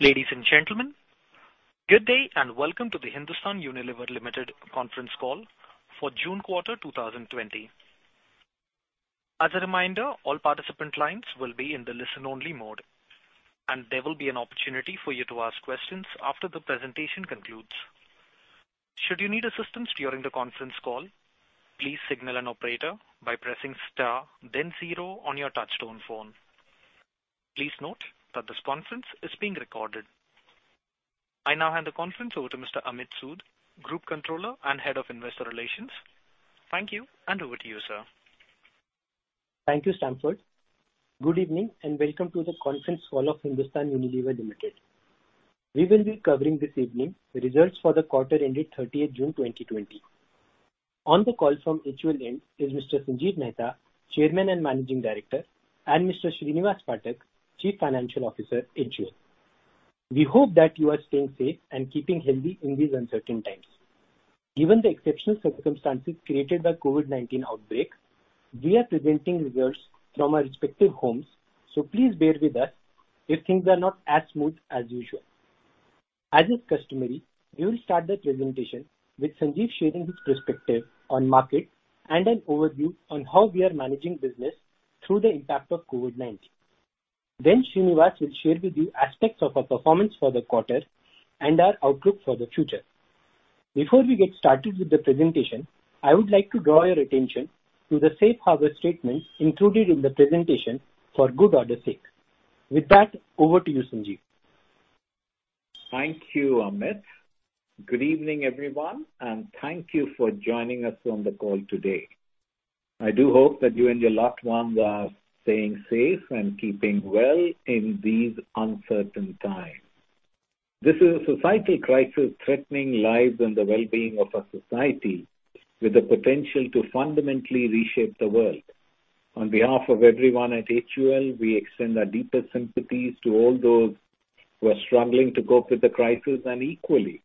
Ladies and gentlemen, good day and welcome to the Hindustan Unilever Limited conference call for June quarter 2020. As a reminder, all participant lines will be in the listen-only mode, and there will be an opportunity for you to ask questions after the presentation concludes. Should you need assistance during the conference call, please signal an operator by pressing star, then zero on your touch-tone phone. Please note that this conference is being recorded. I now hand the conference over to Mr. Amit Sood, Group Controller and Head of Investor Relations. Thank you, and over to you, sir. Thank you, Stanford. Good evening and welcome to the conference call of Hindustan Unilever Limited. We will be covering this evening the results for the quarter-ended 30th of June 2020. On the call from each of them is Mr. Sanjiv Mehta, Chairman and Managing Director, and Mr. Srinivas Phatak, Chief Financial Officer in June. We hope that you are staying safe and keeping healthy in these uncertain times. Given the exceptional circumstances created by the COVID-19 outbreak, we are presenting results from our respective homes, so please bear with us if things are not as smooth as usual. As is customary, we will start the presentation with Sanjiv sharing his perspective on the market and an overview on how we are managing business through the impact of COVID-19. Then Srinivas will share with you aspects of our performance for the quarter and our outlook for the future. Before we get started with the presentation, I would like to draw your attention to the safe harbor statements included in the presentation for good order's sake. With that, over to you, Sanjiv. Thank you, Amit. Good evening, everyone, and thank you for joining us on the call today. I do hope that you and your loved ones are staying safe and keeping well in these uncertain times. This is a societal crisis threatening lives and the well-being of our society, with the potential to fundamentally reshape the world. On behalf of everyone at HUL, we extend our deepest sympathies to all those who are struggling to cope with the crisis, and equally,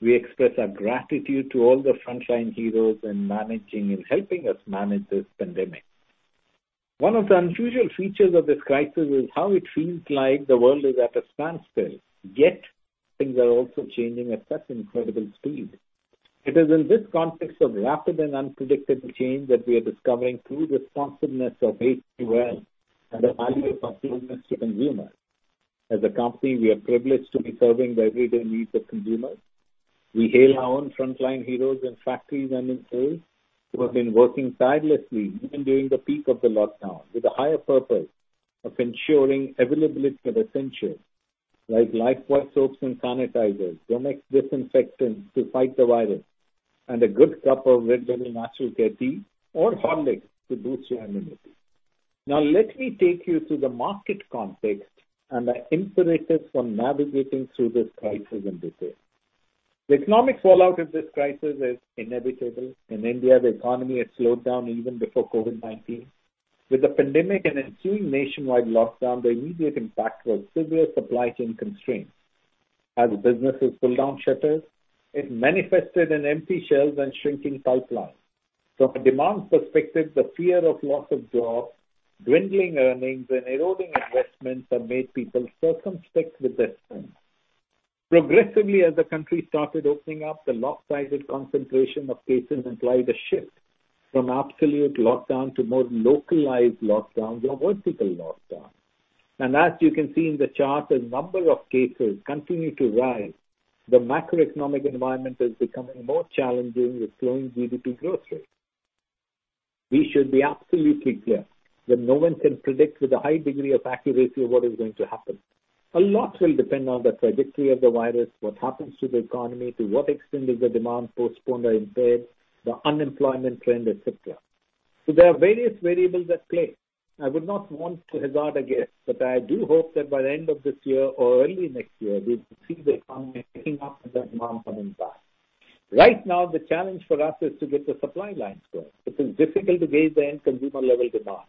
we express our gratitude to all the frontline heroes in managing and helping us manage this pandemic. One of the unusual features of this crisis is how it feels like the world is at a standstill, yet things are also changing at such incredible speed. It is in this context of rapid and unpredictable change that we are discovering true responsiveness of HUL and the value of our business to consumers. As a company, we are privileged to be serving the everyday needs of consumers. We hail our own frontline heroes in factories and in sales who have been working tirelessly even during the peak of the lockdown with a higher purpose of ensuring availability of essentials like Lifebuoy soaps and sanitizers, Domex disinfectants to fight the virus, and a good cup of regular natural tea or hot Horlicks to boost your immunity. Now, let me take you to the market context and the imperatives for navigating through this crisis in detail. The economic fallout of this crisis is inevitable. In India, the economy had slowed down even before COVID-19. With the pandemic and ensuing nationwide lockdown, the immediate impact was severe supply chain constraints. As businesses pulled down shutters, it manifested in empty shelves and shrinking pipelines. From a demand perspective, the fear of loss of jobs, dwindling earnings, and eroding investments have made people circumspect with their spending. Progressively, as the country started opening up, the lopsided concentration of cases implied a shift from absolute lockdown to more localized lockdowns or vertical lockdowns. As you can see in the chart, as the number of cases continues to rise, the macroeconomic environment is becoming more challenging with slowing GDP growth rates. We should be absolutely clear that no one can predict with a high degree of accuracy what is going to happen. A lot will depend on the trajectory of the virus, what happens to the economy, to what extent is the demand postponed or impaired, the unemployment trend, etc. So there are various variables at play. I would not want to hazard a guess, but I do hope that by the end of this year or early next year, we will see the economy picking up and the demand coming back. Right now, the challenge for us is to get the supply lines going. It is difficult to gauge the end-consumer level demand.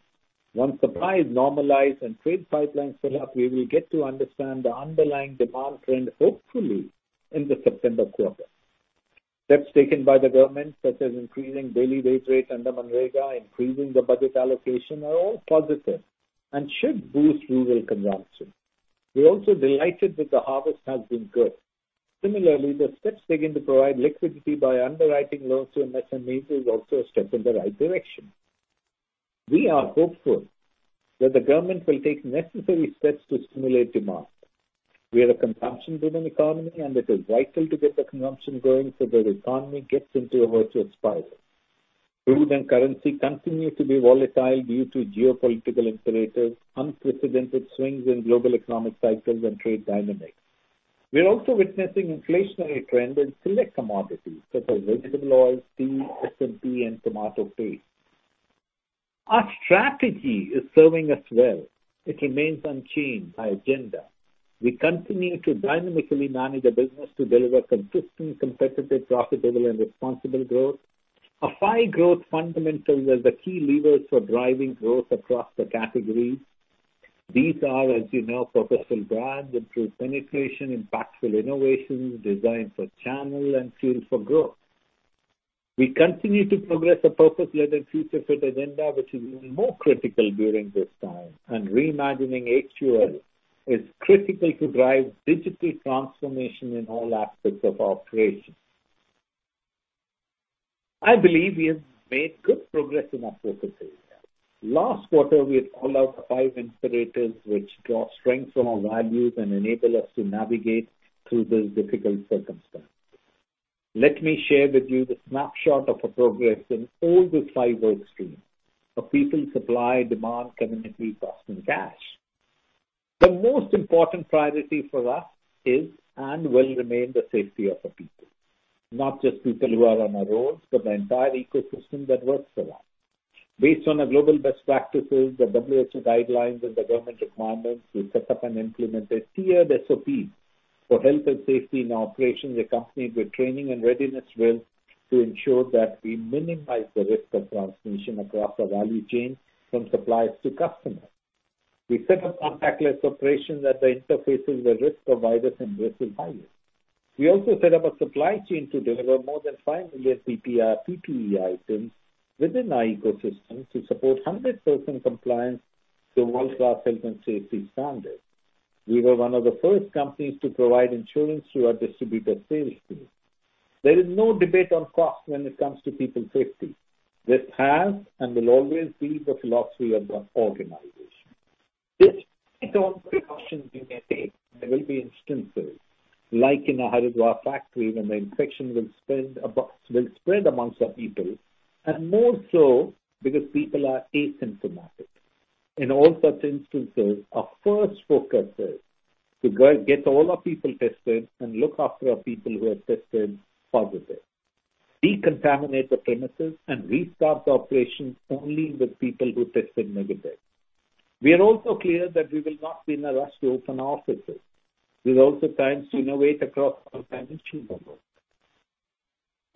Once supplies normalize and trade pipelines fill up, we will get to understand the underlying demand trend, hopefully in the September quarter. Steps taken by the government, such as increasing daily wage rates under MGNREGA, increasing the budget allocation, are all positive and should boost rural consumption. We are also delighted that the harvest has been good. Similarly, the steps taken to provide liquidity by underwriting loans to MSMEs is also a step in the right direction. We are hopeful that the government will take necessary steps to stimulate demand. We are a consumption-driven economy, and it is vital to get the consumption going so that the economy gets into a virtuous spiral. Food and currency continue to be volatile due to geopolitical imperatives, unprecedented swings in global economic cycles, and trade dynamics. We are also witnessing inflationary trends in select commodities such as vegetable oil, tea, SMP, and tomato paste. Our strategy is serving us well. It remains unchanged by agenda. We continue to dynamically manage our business to deliver consistent, competitive, profitable, and responsible growth. A high growth fundamental is the key lever for driving growth across the categories. These are, as you know, purposeful brands, improved penetration, impactful innovations, design for channel, and fuel for growth. We continue to progress a purpose-driven future-fit agenda, which is even more critical during this time, and reimagining HUL is critical to drive digital transformation in all aspects of our operations. I believe we have made good progress in our focus area. Last quarter, we had called out five imperatives which draw strength from our values and enable us to navigate through these difficult circumstances. Let me share with you the snapshot of our progress in all these five work streams: people, supply, demand, community, customer, and cash. The most important priority for us is and will remain the safety of our people, not just people who are on our roads, but the entire ecosystem that works for us. Based on our global best practices, the WHO guidelines, and the government requirements, we set up and implemented tiered SOPs for health and safety in our operations, accompanied with training and readiness drills to ensure that we minimize the risk of transmission across our value chain from suppliers to customers. We set up contactless operations at the interfaces where risk of virus and risk is highest. We also set up a supply chain to deliver more than five million PPE items within our ecosystem to support 100% compliance to world-class health and safety standards. We were one of the first companies to provide insurance to our distributor sales team. There is no debate on cost when it comes to people safety. This has and will always be the philosophy of the organization. Despite all the precautions we may take, there will be instances, like in a Haridwar factory, when the infection will spread among our people, and more so because people are asymptomatic. In all such instances, our first focus is to get all our people tested and look after our people who are tested positive, decontaminate the premises, and restart the operations only with people who tested negative. We are also clear that we will not be in a rush to open our offices. There are also times to innovate across our dimensions of work.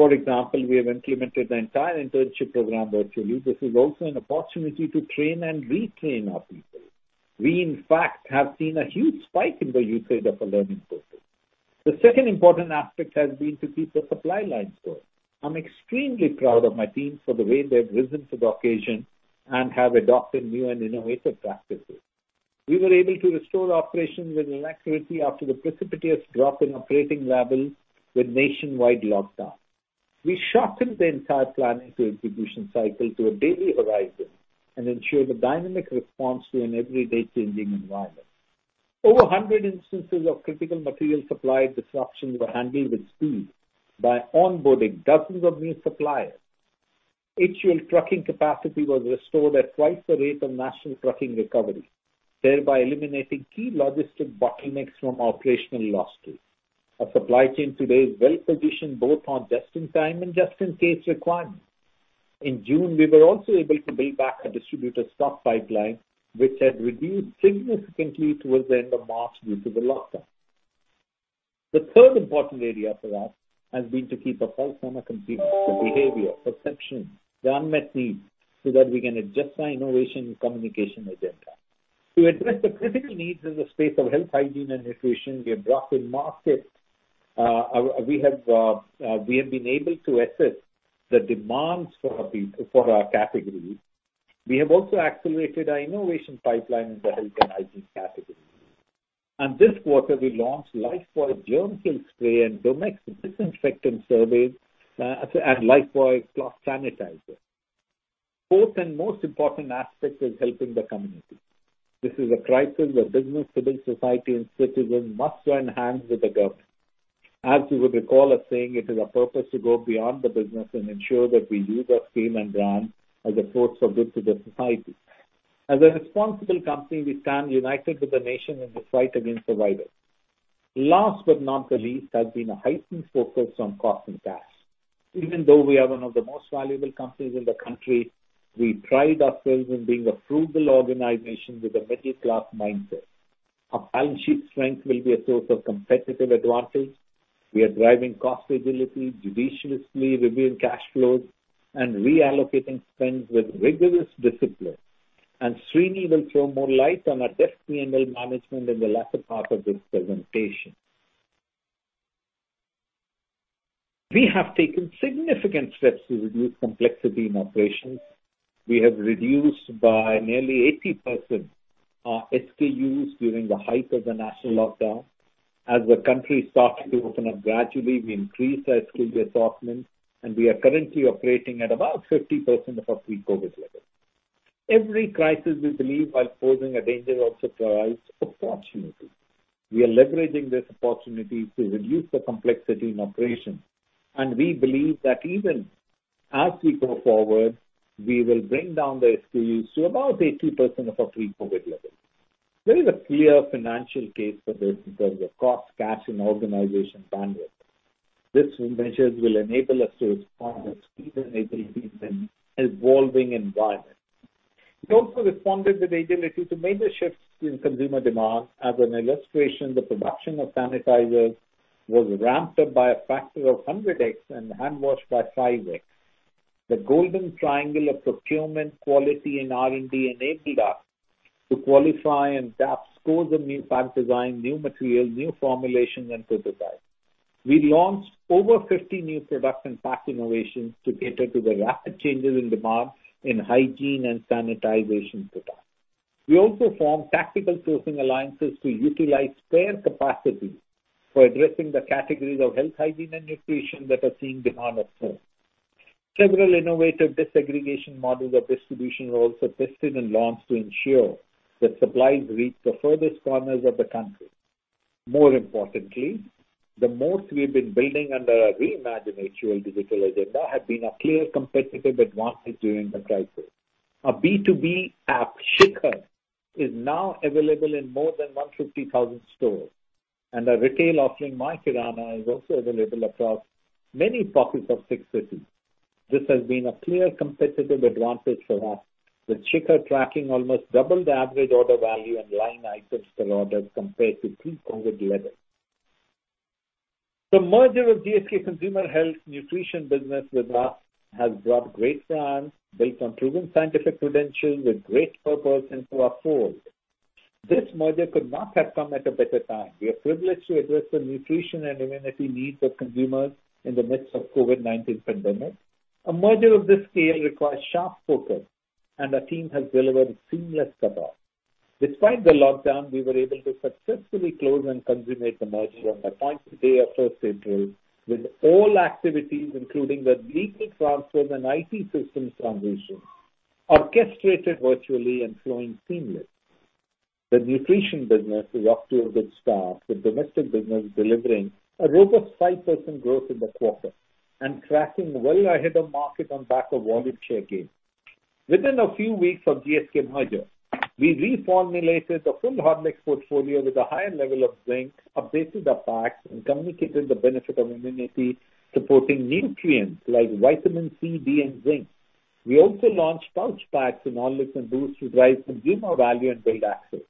For example, we have implemented the entire internship program virtually. This is also an opportunity to train and retrain our people. We, in fact, have seen a huge spike in the usage of our learning program. The second important aspect has been to keep the supply lines going. I'm extremely proud of my team for the way they have risen to the occasion and have adopted new and innovative practices. We were able to restore operations with alacrity after the precipitous drop in operating levels with nationwide lockdown. We shortened the entire planning to execution cycle to a daily horizon and ensured a dynamic response to an ever-changing environment. Over 100 instances of critical material supply disruptions were handled with speed by onboarding dozens of new suppliers. HUL trucking capacity was restored at twice the rate of national trucking recovery, thereby eliminating key logistics bottlenecks from operational losses. Our supply chain today is well-positioned both on just-in-time and just-in-case requirements. In June, we were also able to build back our distributor stock pipeline, which had reduced significantly towards the end of March due to the lockdown. The third important area for us has been to keep a pulse on our consumers, the behavior, perceptions, the unmet needs, so that we can adjust our innovation and communication agenda. To address the critical needs in the space of health, hygiene, and nutrition, we have brought in markets. We have been able to assess the demands for our categories. We have also accelerated our innovation pipeline in the health and hygiene category. This quarter, we launched Lifebuoy GermKill spray and Domex disinfectant and Lifebuoy Plus sanitizer. Fourth and most important aspect is helping the community. This is a crisis where business, civil society, and citizens must join hands with the government. As you would recall us saying, it is our purpose to go beyond the business and ensure that we use our scale and brand as a source of good to the society. As a responsible company, we stand united with the nation in this fight for survival. Last but not least has been a heightened focus on cost and cash. Even though we are one of the most valuable companies in the country, we pride ourselves in being a frugal organization with a middle-class mindset. Our balance sheet strength will be a source of competitive advantage. We are driving cost agility, judiciously reviewing cash flows, and reallocating spends with rigorous discipline. Srini will throw more light on our detailed P&L management in the latter part of this presentation. We have taken significant steps to reduce complexity in operations. We have reduced by nearly 80% our SKUs during the height of the national lockdown. As the country started to open up gradually, we increased our SKU assortment, and we are currently operating at about 50% of our pre-COVID levels. Every crisis we believe while posing a danger also provides opportunity. We are leveraging this opportunity to reduce the complexity in operations. We believe that even as we go forward, we will bring down the SKUs to about 80% of our pre-COVID levels. There is a clear financial case for this in terms of cost, cash, and organization bandwidth. These measures will enable us to respond with speed and agility in an evolving environment. We also responded with agility to major shifts in consumer demand. As an illustration, the production of sanitizers was ramped up by a factor of 100x and hand wash by 5x. The golden triangle of procurement, quality, and R&D enabled us to qualify and tap sources of new pack design, new materials, new formulations, and prototypes. We launched over 50 new products and pack innovations to cater to the rapid changes in demand in hygiene and sanitization products. We also formed tactical sourcing alliances to utilize spare capacity for addressing the categories of health, hygiene, and nutrition that are seeing demand, of course. Several innovative distribution models were also tested and launched to ensure that supplies reach the furthest corners of the country. More importantly, the moat we have been building under our reimagined HUL digital agenda have been a clear competitive advantage during the crisis. A B2B app Shikhar, is now available in more than 150,000 stores, and a retail offering like My Kirana is also available across many pockets of six cities. This has been a clear competitive advantage for us, with Shikhar tracking almost double the average order value and line items per order compared to pre-COVID levels. The merger of GSK Consumer Healthcare Nutrition Business with us has brought great brands built on proven scientific credentials with great purpose into our fold. This merger could not have come at a better time. We are privileged to address the nutrition and immunity needs of consumers in the midst of the COVID-19 pandemic. A merger of this scale requires sharp focus, and our team has delivered a seamless cutoff. Despite the lockdown, we were able to successfully close and consummate the merger on the appointed day of 1st April, with all activities, including the legal transfers and IT systems transitions, orchestrated virtually and flowing seamlessly. The nutrition business is up to a good start, with domestic business delivering a robust 5% growth in the quarter and tracking well ahead of market on back of volume share gains. Within a few weeks of GSK merger, we reformulated the full Horlicks mix portfolio with a higher level of zinc, updated the packs, and communicated the benefit of immunity-supporting nutrients like vitamin C, D, and zinc. We also launched pouch packs in all its Boost to drive consumer value and build access.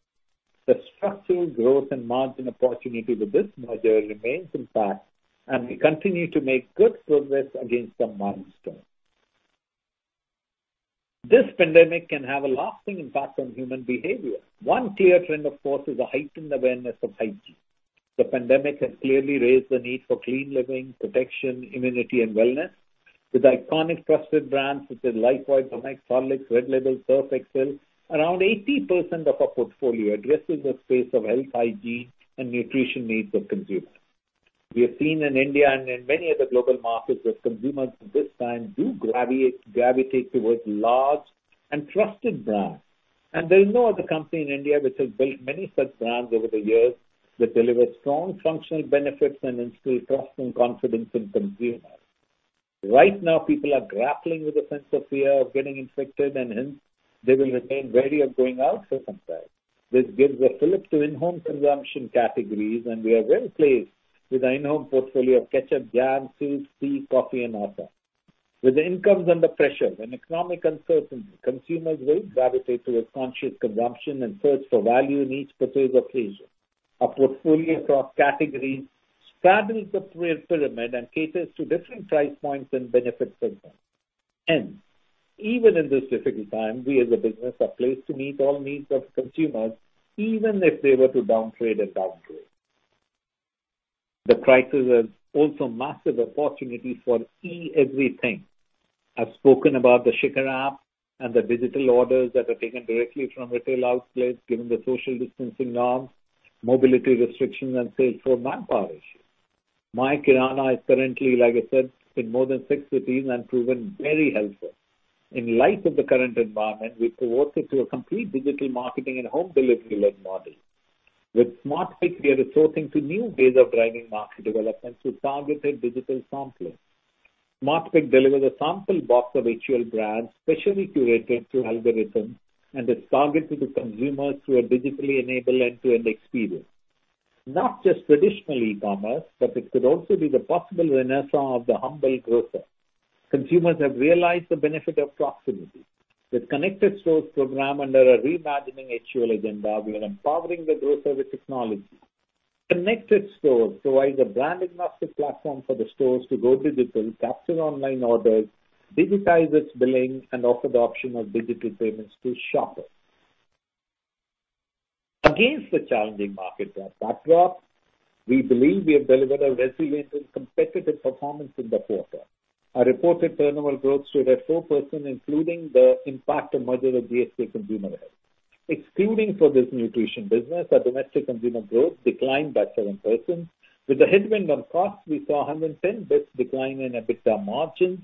The structural growth and margin opportunity with this merger remains intact, and we continue to make good progress against some milestones. This pandemic can have a lasting impact on human behavior. One clear trend, of course, is a heightened awareness of hygiene. The pandemic has clearly raised the need for clean living, protection, immunity, and wellness. With iconic trusted brands such as Lifebuoy, Domex, Horlicks, Red Label, Surf Excel, around 80% of our portfolio addresses the space of health, hygiene, and nutrition needs of consumers. We have seen in India and in many other global markets that consumers this time do gravitate towards large and trusted brands. There is no other company in India which has built many such brands over the years that delivers strong functional benefits and instills trust and confidence in consumers. Right now, people are grappling with a sense of fear of getting infected, and hence, they will remain wary of going out for some time. This gives a flip to in-home consumption categories, and we are well placed with our in-home portfolio of ketchup, jam, soup, tea, coffee, and hot dog. With incomes under pressure and economic uncertainty, consumers will gravitate towards conscious consumption and search for value in each pursuit of pleasure. Our portfolio across categories straddles the pyramid and caters to different price points and benefits as well. Hence, even in this difficult time, we as a business are placed to meet all needs of consumers, even if they were to downtrade and downgrade. The crisis has also massive opportunities for e-everything. I've spoken about the Shikhar app and the digital orders that are taken directly from retail outlets, given the social distancing norms, mobility restrictions, and sales force manpower issues. My Kirana is currently, like I said, in more than six cities and proven very helpful. In light of the current environment, we've pivoted it to a complete digital marketing and home delivery-led model. With SmartPick, we are resorting to new ways of driving market developments with targeted digital sampling. SmartPick delivers a sample box of HUL brands, specially curated through algorithms, and is targeted to consumers through a digitally enabled end-to-end experience. Not just traditional e-commerce, but it could also be the possible renaissance of the humble grocer. Consumers have realized the benefit of proximity. With Connected Stores program under a reimagining HUL agenda, we are empowering the grocer with technology. Connected Stores provides a brand-agnostic platform for the stores to go digital, capture online orders, digitize its billing, and offer the option of digital payments to shoppers. Against the challenging market backdrop, we believe we have delivered a resilient and competitive performance in the quarter. Our reported turnover growth stood at 4%, including the impact of merger of GSK Consumer Health. Excluding the this nutrition business, our domestic consumer growth declined by 7%. With the headwind on costs, we saw 110 basis points decline in EBITDA margins.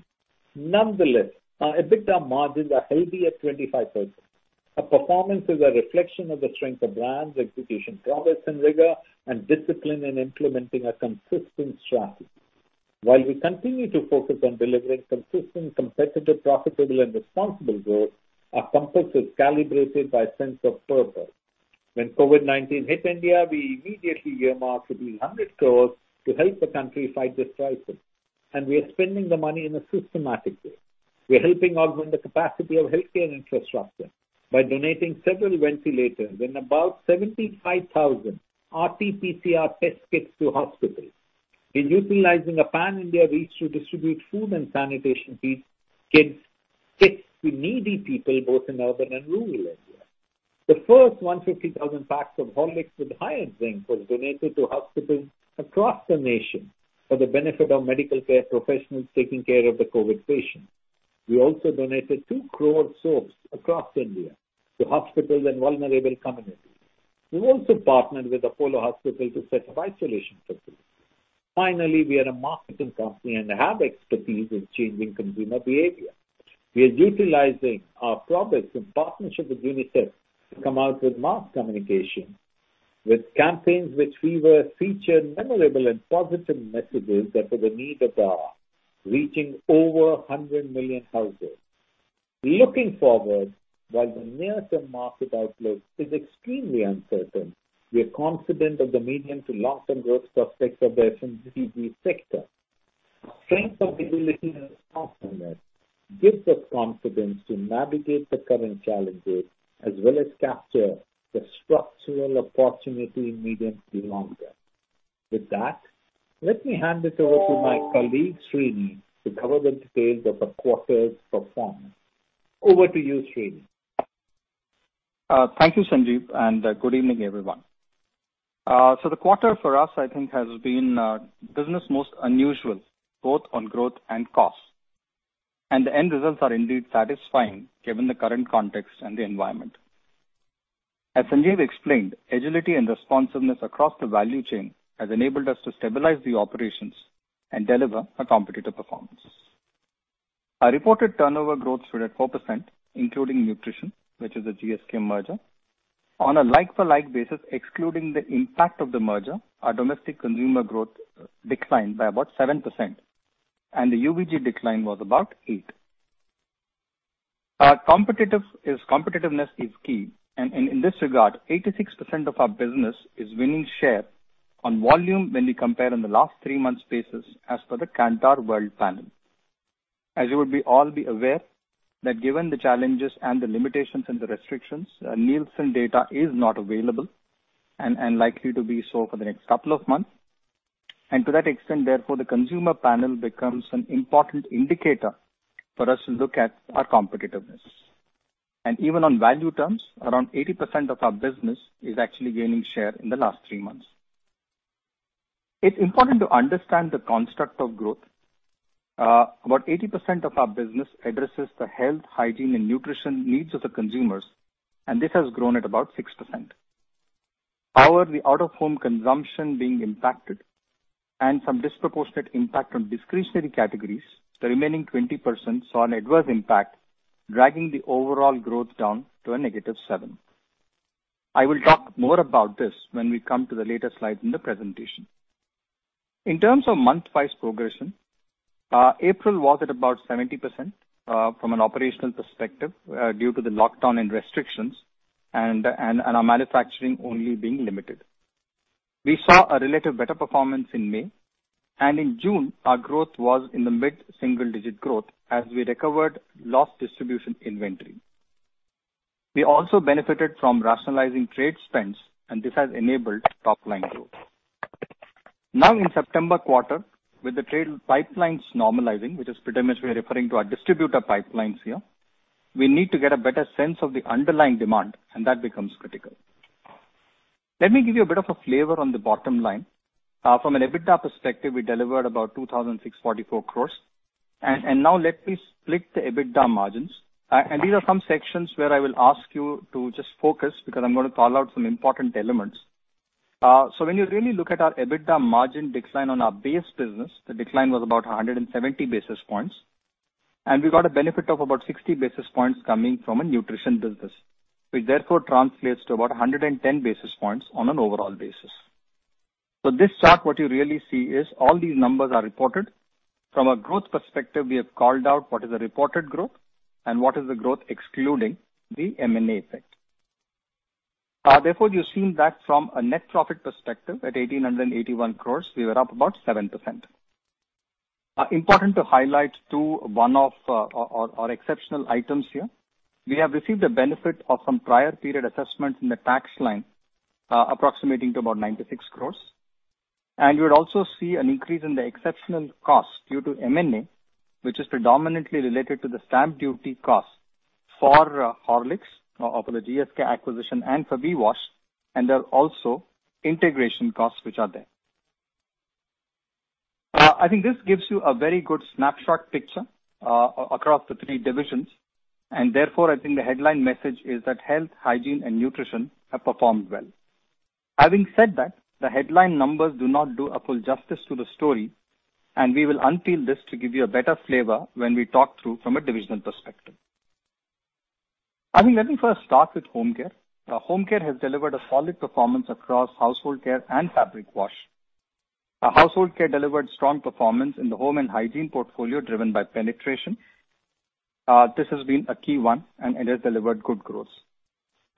Nonetheless, our EBITDA margins are healthy at 25%. Our performance is a reflection of the strength of brands, execution progress and rigor, and discipline in implementing a consistent strategy. While we continue to focus on delivering consistent, competitive, profitable, and responsible growth, our compass is calibrated by a sense of purpose. When COVID-19 hit India, we immediately earmarked 100 crores to help the country fight this crisis, and we are spending the money in a systematic way. We are helping augment the capacity of healthcare infrastructure by donating several ventilators and about 75,000 RT-PCR test kits to hospitals. We are utilizing a pan-India reach to distribute food and sanitation kits to needy people both in urban and rural areas. The first 150,000 packs of Horlicks with high-end zinc were donated to hospitals across the nation for the benefit of medical care professionals taking care of the COVID patients. We also donated two crores of soaps across India to hospitals and vulnerable communities. We've also partnered with Apollo Hospitals to set up isolation facilities. Finally, we are a marketing company and have expertise in changing consumer behavior. We are utilizing our progress in partnership with UNICEF to come out with mass communication, with campaigns which we will feature memorable and positive messages that are the need of our reaching over 100 million households. Looking forward, while the near-term market outlook is extremely uncertain, we are confident of the medium to long-term growth prospects of the SMCG sector. Strength of agility and responsiveness gives us confidence to navigate the current challenges as well as capture the structural opportunity in medium to long term. With that, let me hand this over to my colleague Srini to cover the details of the quarter's performance. Over to you, Srini. Thank you, Sanjiv, and good evening, everyone. So the quarter for us, I think, has been business most unusual, both on growth and cost, and the end results are indeed satisfying given the current context and the environment. As Sanjiv explained, agility and responsiveness across the value chain has enabled us to stabilize the operations and deliver a competitive performance. Our reported turnover growth stood at 4%, including nutrition, which is a GSK merger. On a like-for-like basis, excluding the impact of the merger, our domestic consumer growth declined by about 7%, and the UVG decline was about 8%. Competitiveness is key, and in this regard, 86% of our business is winning share on volume when we compare on the last three months' basis as per the Kantar Worldpanel. As you will all be aware, given the challenges and the limitations and the restrictions, Nielsen data is not available and likely to be so for the next couple of months. To that extent, therefore, the consumer panel becomes an important indicator for us to look at our competitiveness. Even on value terms, around 80% of our business is actually gaining share in the last three months. It's important to understand the construct of growth. About 80% of our business addresses the health, hygiene, and nutrition needs of the consumers, and this has grown at about 6%. However, the out-of-home consumption being impacted and some disproportionate impact on discretionary categories, the remaining 20% saw an adverse impact, dragging the overall growth down to a negative 7%. I will talk more about this when we come to the later slides in the presentation. In terms of month-wise progression, April was at about 70% from an operational perspective due to the lockdown and restrictions and our manufacturing only being limited. We saw a relative better performance in May, and in June, our growth was in the mid-single-digit growth as we recovered lost distribution inventory. We also benefited from rationalizing trade spends, and this has enabled top-line growth. Now, in September quarter, with the trade pipelines normalizing, which is pretty much we are referring to our distributor pipelines here, we need to get a better sense of the underlying demand, and that becomes critical. Let me give you a bit of a flavor on the bottom line. From an EBITDA perspective, we delivered about 2,644 crores, and now let me split the EBITDA margins, and these are some sections where I will ask you to just focus because I'm going to call out some important elements, so when you really look at our EBITDA margin decline on our base business, the decline was about 170 basis points, and we got a benefit of about 60 basis points coming from a nutrition business, which therefore translates to about 110 basis points on an overall basis, so this chart, what you really see is all these numbers are reported. From a growth perspective, we have called out what is the reported growth and what is the growth excluding the M&A effect. Therefore, you've seen that from a net profit perspective, at 1,881 crores, we were up about 7%. Important to highlight too one of our exceptional items here. We have received the benefit of some prior period assessments in the tax line approximating to about 96 crores. You would also see an increase in the exceptional cost due to M&A, which is predominantly related to the stamp duty cost for Horlicks or for the GSK acquisition and for VWash, and there are also integration costs which are there. I think this gives you a very good snapshot picture across the three divisions. Therefore, I think the headline message is that health, hygiene, and nutrition have performed well. Having said that, the headline numbers do not do a full justice to the story, and we will unpeel this to give you a better flavor when we talk through from a divisional perspective. I think let me first start with home care. Home care has delivered a solid performance across household care and fabric wash. Household care delivered strong performance in the home and hygiene portfolio driven by penetration. This has been a key one, and it has delivered good growth.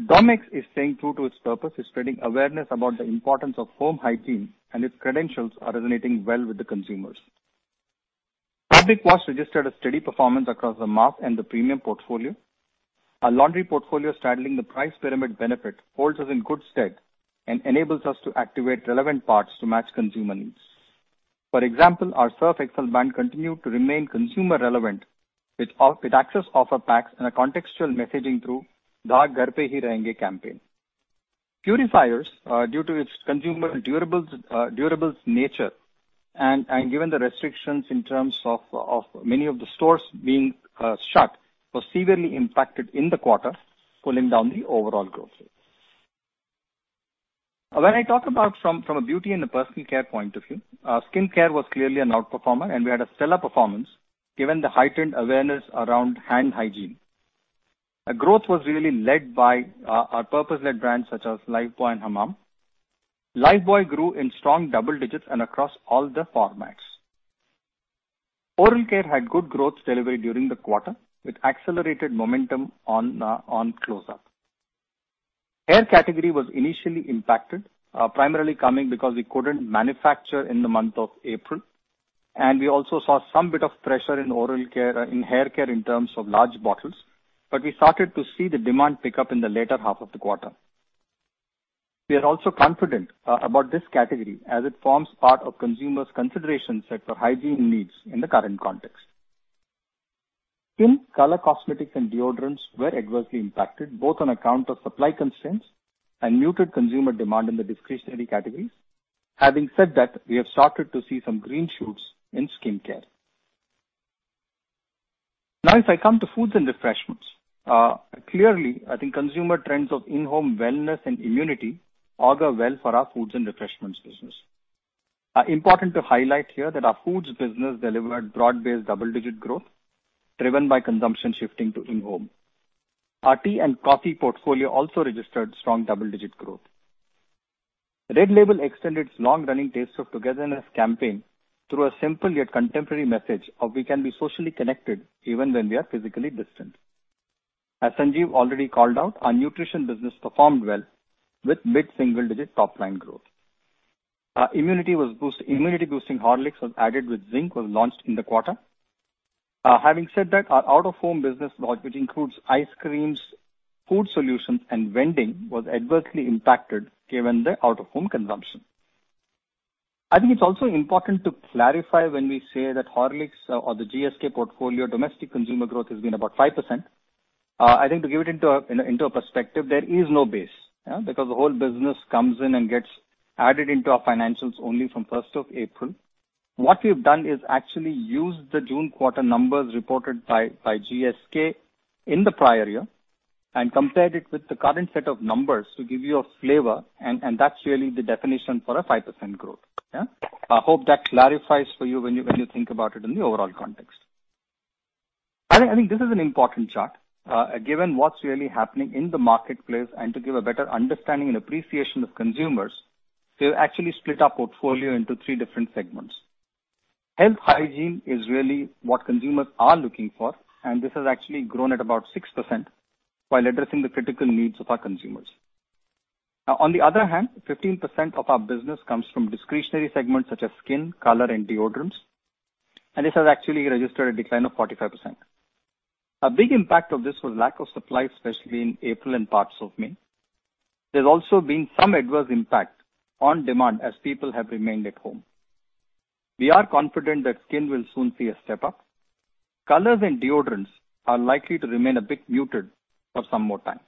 Domex is staying true to its purpose, spreading awareness about the importance of home hygiene, and its credentials are resonating well with the consumers. Fabric wash registered a steady performance across the mass and the premium portfolio. Our laundry portfolio, straddling the price pyramid benefit, holds us in good stead and enables us to activate relevant parts to match consumer needs. For example, our Surf Excel brand continued to remain consumer relevant with sachet offer packs and a contextual messaging through the "Ghar Pe Hi Raenge" campaign. Purifiers, due to its consumer durable nature and given the restrictions in terms of many of the stores being shut, were severely impacted in the quarter, pulling down the overall growth rate. When I talk about from a beauty and a personal care point of view, skincare was clearly an outperformer, and we had a stellar performance given the heightened awareness around hand hygiene. Our growth was really led by our purpose-led brands such as Lifebuoy and Hamam. Lifebuoy grew in strong double digits and across all the formats. Oral care had good growth delivery during the quarter with accelerated momentum on Close up. Hair category was initially impacted, primarily coming because we couldn't manufacture in the month of April. We also saw some bit of pressure in Hair Care in terms of large bottles, but we started to see the demand pick up in the later half of the quarter. We are also confident about this category as it forms part of consumers' consideration set for hygiene needs in the current context. Skin, Color, Cosmetics, and Deodorants were adversely impacted both on account of supply constraints and muted consumer demand in the discretionary categories. Having said that, we have started to see some green shoots in skincare. Now, if I come to Foods and Refreshments, clearly, I think consumer trends of in-home wellness and immunity augur well for our Foods and Refreshments business. Important to highlight here that our Foods business delivered broad-based double-digit growth driven by consumption shifting to in-home. Our Tea and Coffee portfolio also registered strong double-digit growth. Red Label extended its long-running Taste of Togetherness campaign through a simple yet contemporary message of we can be socially connected even when we are physically distant. As Sanjiv already called out, our nutrition business performed well with mid-single-digit top-line growth. Immunity-boosting Horlicks added with zinc was launched in the quarter. Having said that, our out-of-home business, which includes ice creams, food solutions, and vending, was adversely impacted given the out-of-home consumption. I think it's also important to clarify when we say that Horlicks or the GSK portfolio domestic consumer growth has been about 5%. I think to give it into a perspective, there is no base because the whole business comes in and gets added into our financials only from 1st of April. What we've done is actually use the June quarter numbers reported by GSK in the prior year and compared it with the current set of numbers to give you a flavor, and that's really the definition for a 5% growth. I hope that clarifies for you when you think about it in the overall context. I think this is an important chart given what's really happening in the marketplace and to give a better understanding and appreciation of consumers. We have actually split our portfolio into three different segments. Health hygiene is really what consumers are looking for, and this has actually grown at about 6% while addressing the critical needs of our consumers. On the other hand, 15% of our business comes from discretionary segments such as skin, color, and deodorants, and this has actually registered a decline of 45%. A big impact of this was lack of supply, especially in April and parts of May. There's also been some adverse impact on demand as people have remained at home. We are confident that skin will soon see a step up. Colors and deodorants are likely to remain a bit muted for some more time.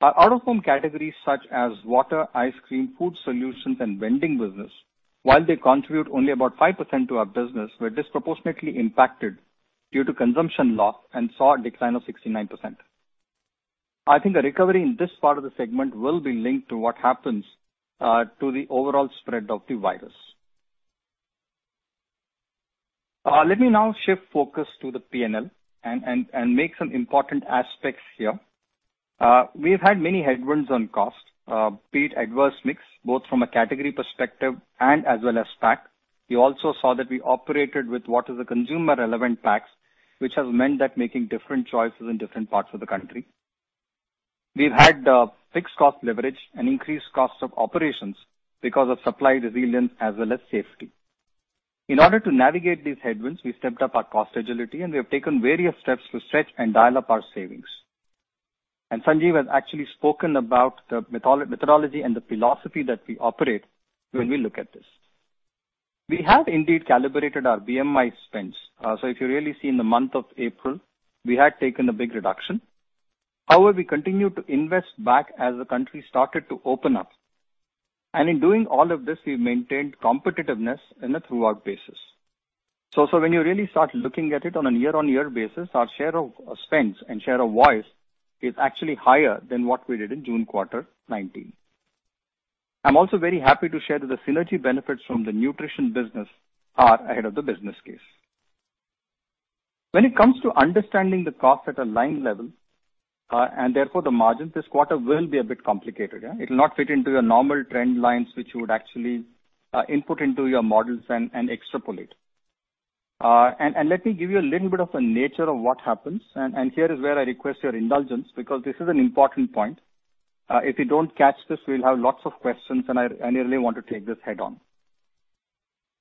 Our out-of-home categories such as water, ice cream, food solutions, and vending business, while they contribute only about 5% to our business, were disproportionately impacted due to consumption loss and saw a decline of 69%. I think a recovery in this part of the segment will be linked to what happens to the overall spread of the virus. Let me now shift focus to the P&L and make some important aspects here. We've had many headwinds on cost, be it adverse mix, both from a category perspective and as well as pack. We also saw that we operated with what is the consumer relevant packs, which has meant that making different choices in different parts of the country. We've had fixed cost leverage and increased cost of operations because of supply resilience as well as safety. In order to navigate these headwinds, we stepped up our cost agility, and we have taken various steps to stretch and dial up our savings. Sanjiv has actually spoken about the methodology and the philosophy that we operate when we look at this. We have indeed calibrated our BMI spends. If you really see in the month of April, we had taken a big reduction. However, we continued to invest back as the country started to open up. In doing all of this, we maintained competitiveness in a throughout basis. So when you really start looking at it on a year-on-year basis, our share of spends and share of voice is actually higher than what we did in June quarter 2019. I'm also very happy to share that the synergy benefits from the nutrition business are ahead of the business case. When it comes to understanding the cost at a line level and therefore the margins, this quarter will be a bit complicated. It will not fit into your normal trend lines, which you would actually input into your models and extrapolate. Let me give you a little bit of the nature of what happens. Here is where I request your indulgence because this is an important point. If you don't catch this, we'll have lots of questions, and I really want to take this head-on.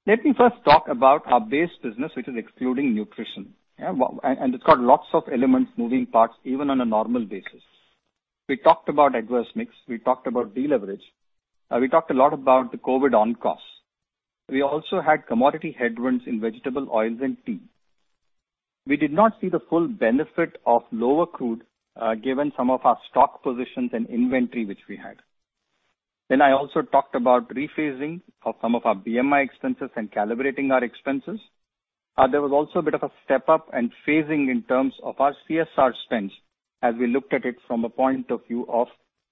Let me first talk about our base business, which is excluding nutrition. It's got lots of elements, moving parts even on a normal basis. We talked about adverse mix. We talked about deleverage. We talked a lot about the COVID on costs. We also had commodity headwinds in vegetable oils and tea. We did not see the full benefit of lower crude given some of our stock positions and inventory which we had. Then I also talked about rephasing of some of our BMI expenses and calibrating our expenses. There was also a bit of a step up and phasing in terms of our CSR spends as we looked at it from a point of view of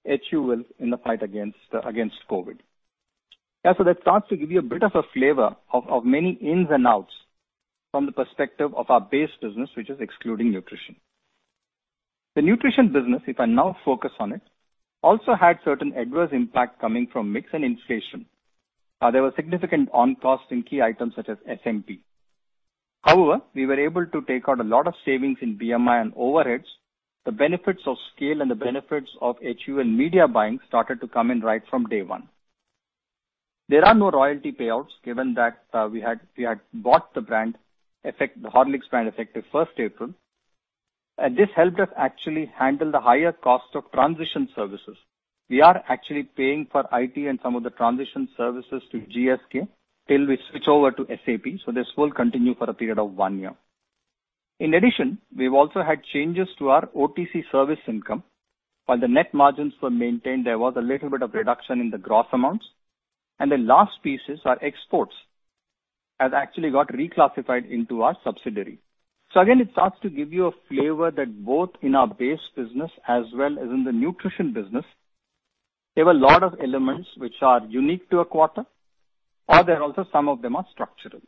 HUL in the fight against COVID. So that starts to give you a bit of a flavor of many ins and outs from the perspective of our base business, which is excluding nutrition. The nutrition business, if I now focus on it, also had certain adverse impact coming from mix and inflation. There were significant on-cost in key items such as SMP. However, we were able to take out a lot of savings in BMI and overheads. The benefits of scale and the benefits of HUL media buying started to come in right from day one. There are no royalty payouts given that we had bought the brand, Horlicks brand, effective 1st April, and this helped us actually handle the higher cost of transition services. We are actually paying for IT and some of the transition services to GSK till we switch over to SAP, so this will continue for a period of one year. In addition, we've also had changes to our OTC service income. While the net margins were maintained, there was a little bit of reduction in the gross amounts. The last pieces are exports that actually got reclassified into our subsidiary. So again, it starts to give you a flavor that both in our base business as well as in the nutrition business, there were a lot of elements which are unique to a quarter, and some of them are structural.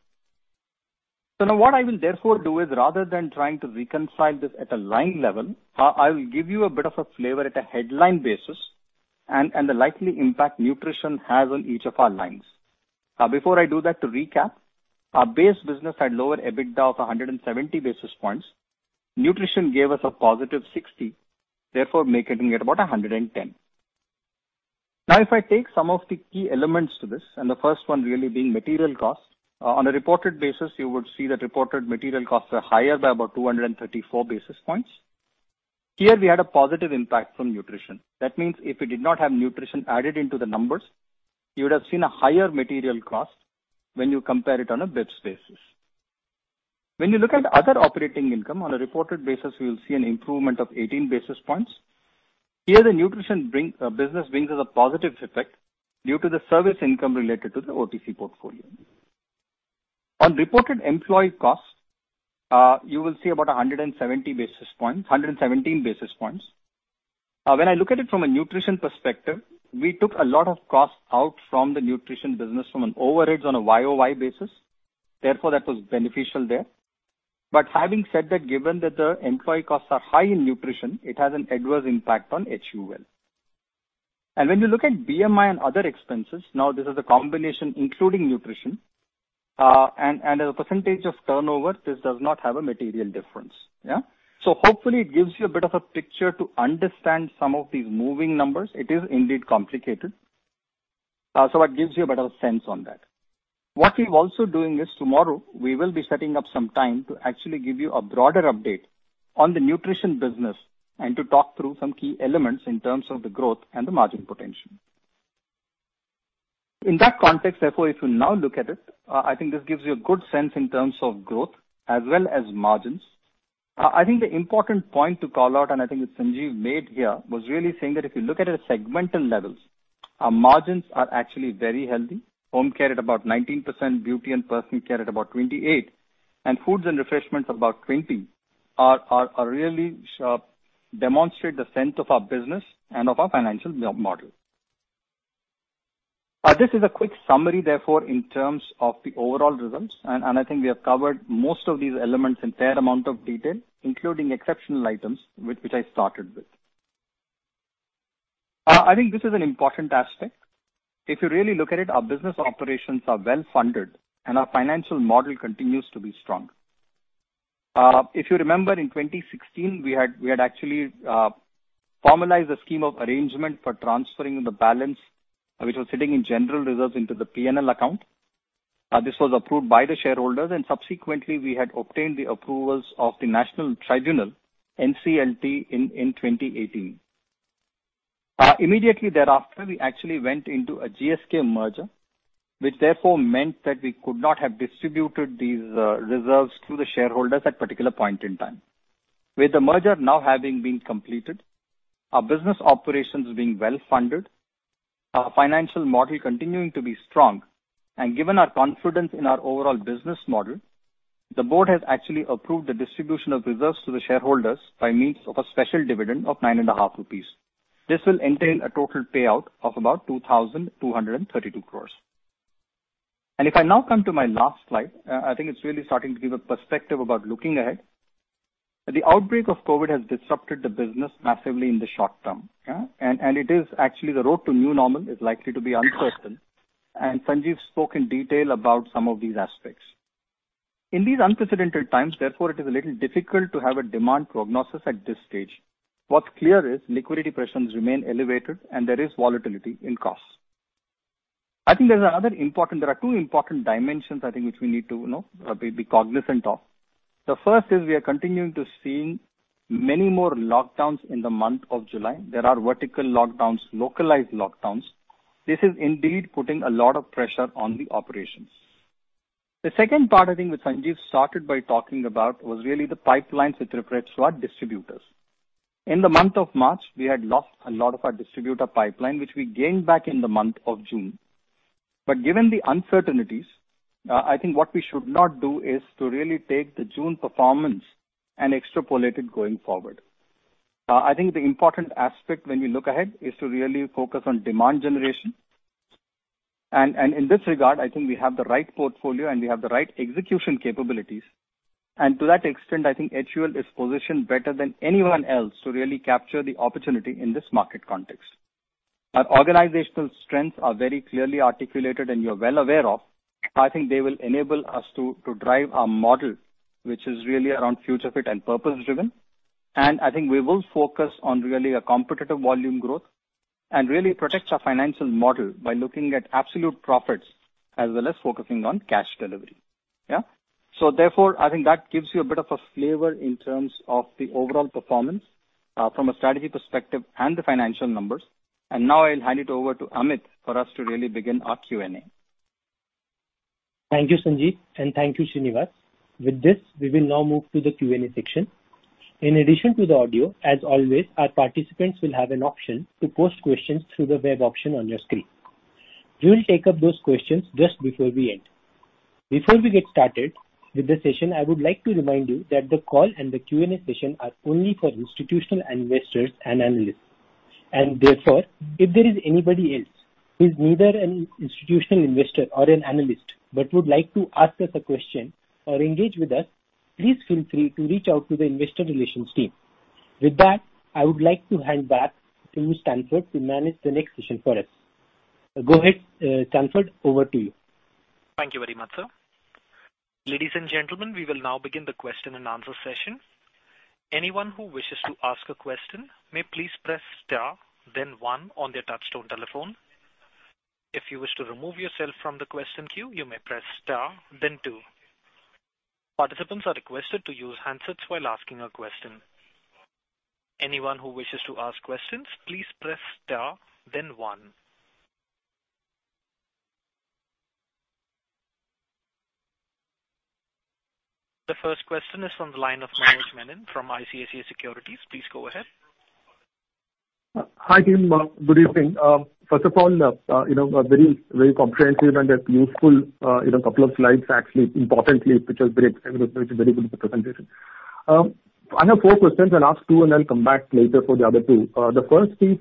So now what I will therefore do is, rather than trying to reconcile this at a line level, I will give you a bit of a flavor at a headline basis and the likely impact nutrition has on each of our lines. Before I do that, to recap, our base business had lower EBITDA of 170 basis points. Nutrition gave us a positive 60, therefore making it about 110. Now, if I take some of the key elements to this, and the first one really being material cost, on a reported basis, you would see that reported material costs are higher by about 234 basis points. Here, we had a positive impact from nutrition. That means if we did not have nutrition added into the numbers, you would have seen a higher material cost when you compare it on a basis points basis. When you look at other operating income, on a reported basis, we will see an improvement of 18 basis points. Here, the nutrition business brings us a positive effect due to the service income related to the OTC portfolio. On reported employee cost, you will see about 170 basis points. When I look at it from a nutrition perspective, we took a lot of cost out from the nutrition business from an overheads on a YoY basis. Therefore, that was beneficial there. Having said that, given that the employee costs are high in nutrition, it has an adverse impact on HUL. When you look at BMI and other expenses, now this is a combination including nutrition. As a percentage of turnover, this does not have a material difference. So hopefully, it gives you a bit of a picture to understand some of these moving numbers. It is indeed complicated. So it gives you a better sense on that. What we're also doing is tomorrow, we will be setting up some time to actually give you a broader update on the nutrition business and to talk through some key elements in terms of the growth and the margin potential. In that context, therefore, if you now look at it, I think this gives you a good sense in terms of growth as well as margins. I think the important point to call out, and I think Sanjiv made here, was really saying that if you look at it at segmental levels, our margins are actually very healthy. Home care at about 19%, beauty and personal care at about 28%, and foods and refreshments about 20% really demonstrate the strength of our business and of our financial model. This is a quick summary, therefore, in terms of the overall results, and I think we have covered most of these elements in fair amount of detail, including exceptional items, which I started with. I think this is an important aspect. If you really look at it, our business operations are well funded, and our financial model continues to be strong. If you remember, in 2016, we had actually formalized a scheme of arrangement for transferring the balance which was sitting in general reserves into the P&L account. This was approved by the shareholders, and subsequently, we had obtained the approvals of the NCLT in 2018. Immediately thereafter, we actually went into a GSK merger, which therefore meant that we could not have distributed these reserves to the shareholders at a particular point in time. With the merger now having been completed, our business operations being well funded, our financial model continuing to be strong, and given our confidence in our overall business model, the board has actually approved the distribution of reserves to the shareholders by means of a special dividend of 9.50 rupees. This will entail a total payout of about 2,232 crores and if I now come to my last slide, I think it's really starting to give a perspective about looking ahead. The outbreak of COVID has disrupted the business massively in the short term. It is actually the road to new normal is likely to be uncertain. Sanjiv spoke in detail about some of these aspects. In these unprecedented times, therefore, it is a little difficult to have a demand prognosis at this stage. What's clear is liquidity pressures remain elevated, and there is volatility in costs. I think there's another important, there are two important dimensions, I think, which we need to be cognizant of. The first is we are continuing to see many more lockdowns in the month of July. There are vertical lockdowns, localized lockdowns. This is indeed putting a lot of pressure on the operations. The second part I think which Sanjiv started by talking about was really the pipelines with regards to our distributors. In the month of March, we had lost a lot of our distributor pipeline, which we gained back in the month of June. Given the uncertainties, I think what we should not do is to really take the June performance and extrapolate it going forward. I think the important aspect when we look ahead is to really focus on demand generation.In this regard, I think we have the right portfolio, and we have the right execution capabilities. To that extent, I think HUL is positioned better than anyone else to really capture the opportunity in this market context. Our organizational strengths are very clearly articulated, and you're well aware of. I think they will enable us to drive our model, which is really around future fit and purpose-driven. I think we will focus on really a competitive volume growth and really protect our financial model by looking at absolute profits as well as focusing on cash delivery. So therefore, I think that gives you a bit of a flavor in terms of the overall performance from a strategy perspective and the financial numbers. Now I'll hand it over to Amit for us to really begin our Q&A. Thank you, Sanjiv, and thank you, Srinivas. With this, we will now move to the Q&A section. In addition to the audio, as always, our participants will have an option to post questions through the web option on your screen. We will take up those questions just before we end. Before we get started with the session, I would like to remind you that the call and the Q&A session are only for institutional investors and analysts. Therefore, if there is anybody else who is neither an institutional investor nor an analyst but would like to ask us a question or engage with us, please feel free to reach out to the investor relations team. With that, I would like to hand back to Stanford to manage the next session for us. Go ahead, Stanford, over to you. Thank you very much, sir. Ladies and gentlemen, we will now begin the question and answer session. Anyone who wishes to ask a question may please press Star, then one on their touchtone telephone. If you wish to remove yourself from the question queue, you may press Star, then two. Participants are requested to use handsets while asking a question. Anyone who wishes to ask questions, please press Star, then one. The first question is from the line of Manoj Menon from ICICI Securities. Please go ahead. Hi, team. Good evening. First of all, very comprehensive and useful couple of slides, actually, importantly, which was very good presentation. I have four questions and ask two and then come back later for the other two. The first is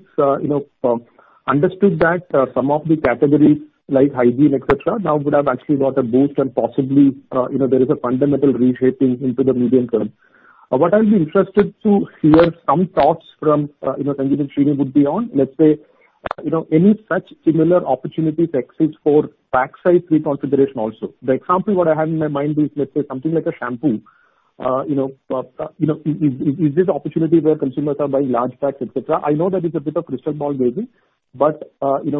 understood that some of the categories like hygiene, etc., now would have actually got a boost and possibly there is a fundamental reshaping into the medium term. What I'll be interested to hear some thoughts from Sanjiv and Srinivas beyond. Let's say any such similar opportunities exist for pack size reconfiguration also. The example what I have in my mind is, let's say, something like a shampoo. Is this opportunity where consumers are buying large packs, etc.? I know that it's a bit of crystal ball waving, but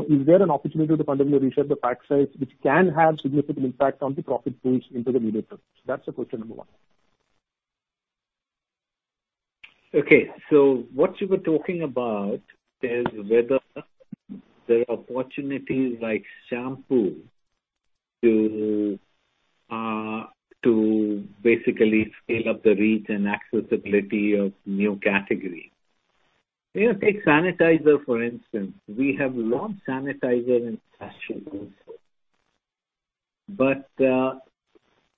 is there an opportunity to fundamentally reshape the pack size, which can have significant impact on the profit pools into the medium term? So that's the question number one. Okay. So what you were talking about is whether there are opportunities like shampoo to basically scale up the reach and accessibility of new categories. Take sanitizer, for instance. We have a lot of sanitizer in fashion.